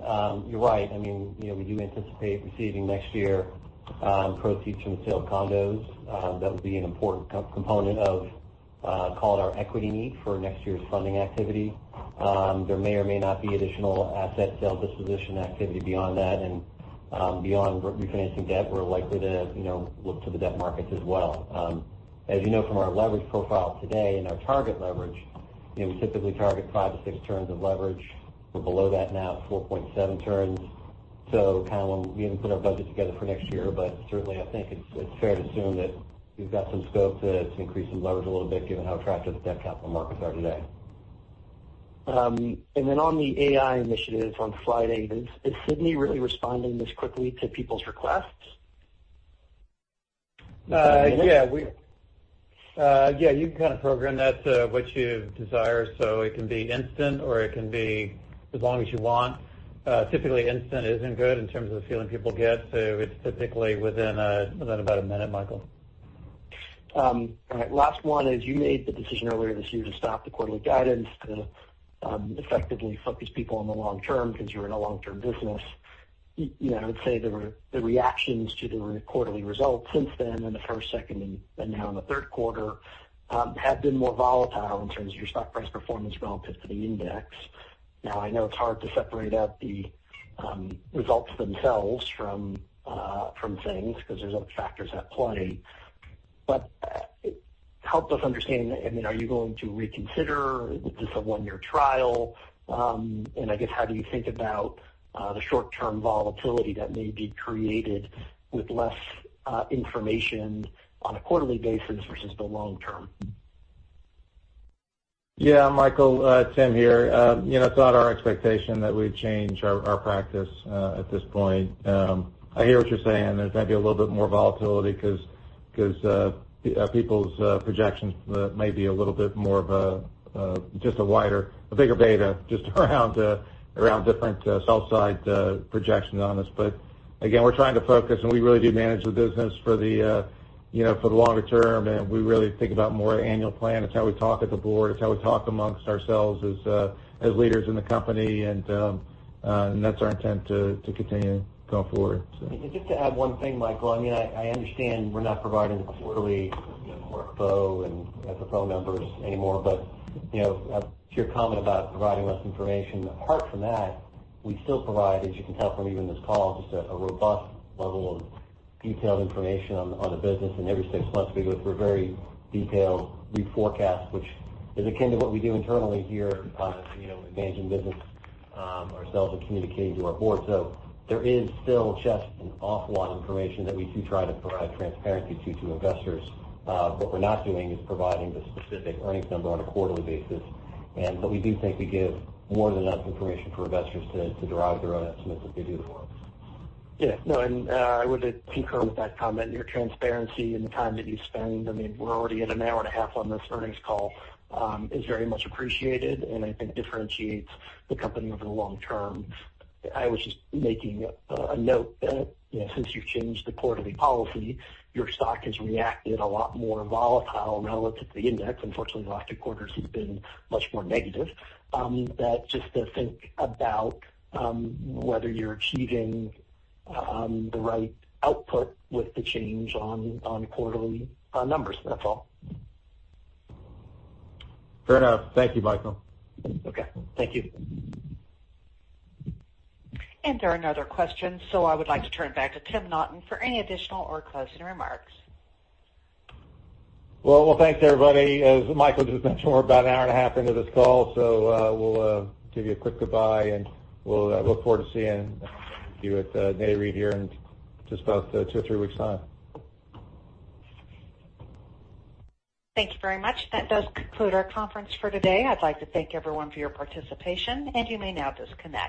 You're right. We do anticipate receiving next year proceeds from the sale of condos. That will be an important component of call it our equity need for next year's funding activity. There may or may not be additional asset sale disposition activity beyond that, and beyond refinancing debt, we're likely to look to the debt markets as well. As you know from our leverage profile today and our target leverage, we typically target 5-6 turns of leverage. We're below that now at 4.7 turns. Kind of we haven't put our budget together for next year, but certainly I think it's fair to assume that we've got some scope to increase some leverage a little bit given how attractive the debt capital markets are today. On the AI initiatives on Friday, is Sidney really responding this quickly to people's requests? Yeah. You can kind of program that to what you desire, so it can be instant or it can be as long as you want. Typically instant isn't good in terms of the feeling people get, so it's typically within about a minute, Michael. All right. Last one is you made the decision earlier this year to stop the quarterly guidance to effectively focus people on the long term because you're in a long-term business. I would say the reactions to the quarterly results since then in the first, second, and now in the third quarter, have been more volatile in terms of your stock price performance relative to the index. Now I know it's hard to separate out the results themselves from things because there's other factors at play. Help us understand, are you going to reconsider? Is this a one-year trial? I guess how do you think about the short-term volatility that may be created with less information on a quarterly basis versus the long term? Yeah. Michael, Tim here. It's not our expectation that we'd change our practice at this point. I hear what you're saying. There's maybe a little bit more volatility because people's projections may be a little bit more of just a wider, a bigger beta just around different sell-side projections on this. Again, we're trying to focus, and we really do manage the business for the longer term, and we really think about more annual plan. It's how we talk at the board. It's how we talk amongst ourselves as leaders in the company, and that's our intent to continue going forward. Just to add one thing, Michael. I understand we're not providing the quarterly workflow and the phone numbers anymore, but to your comment about providing less information, apart from that, we still provide, as you can tell from even this call, just a robust level of detailed information on the business. Every six months we go through a very detailed reforecast, which is akin to what we do internally here in managing business ourselves and communicating to our board. There is still just an awful lot of information that we do try to provide transparency to investors. What we're not doing is providing the specific earnings number on a quarterly basis. We do think we give more than enough information for investors to derive their own estimates if they do the work. Yeah. No, I would concur with that comment. Your transparency and the time that you spend, we're already at an hour and a half on this earnings call, is very much appreciated and I think differentiates the company over the long term. I was just making a note that since you've changed the quarterly policy, your stock has reacted a lot more volatile relative to the index. Unfortunately, the last two quarters have been much more negative. That just to think about whether you're achieving the right output with the change on quarterly numbers. That's all. Fair enough. Thank you, Michael. Okay. Thank you. There are no other questions, so I would like to turn back to Timothy Naughton for any additional or closing remarks. Well, thanks everybody. As Michael just mentioned, we're about an hour and a half into this call, so we'll give you a quick goodbye, and we'll look forward to seeing you at Nareit here in just about two or three weeks' time. Thank you very much. That does conclude our conference for today. I'd like to thank everyone for your participation, and you may now disconnect.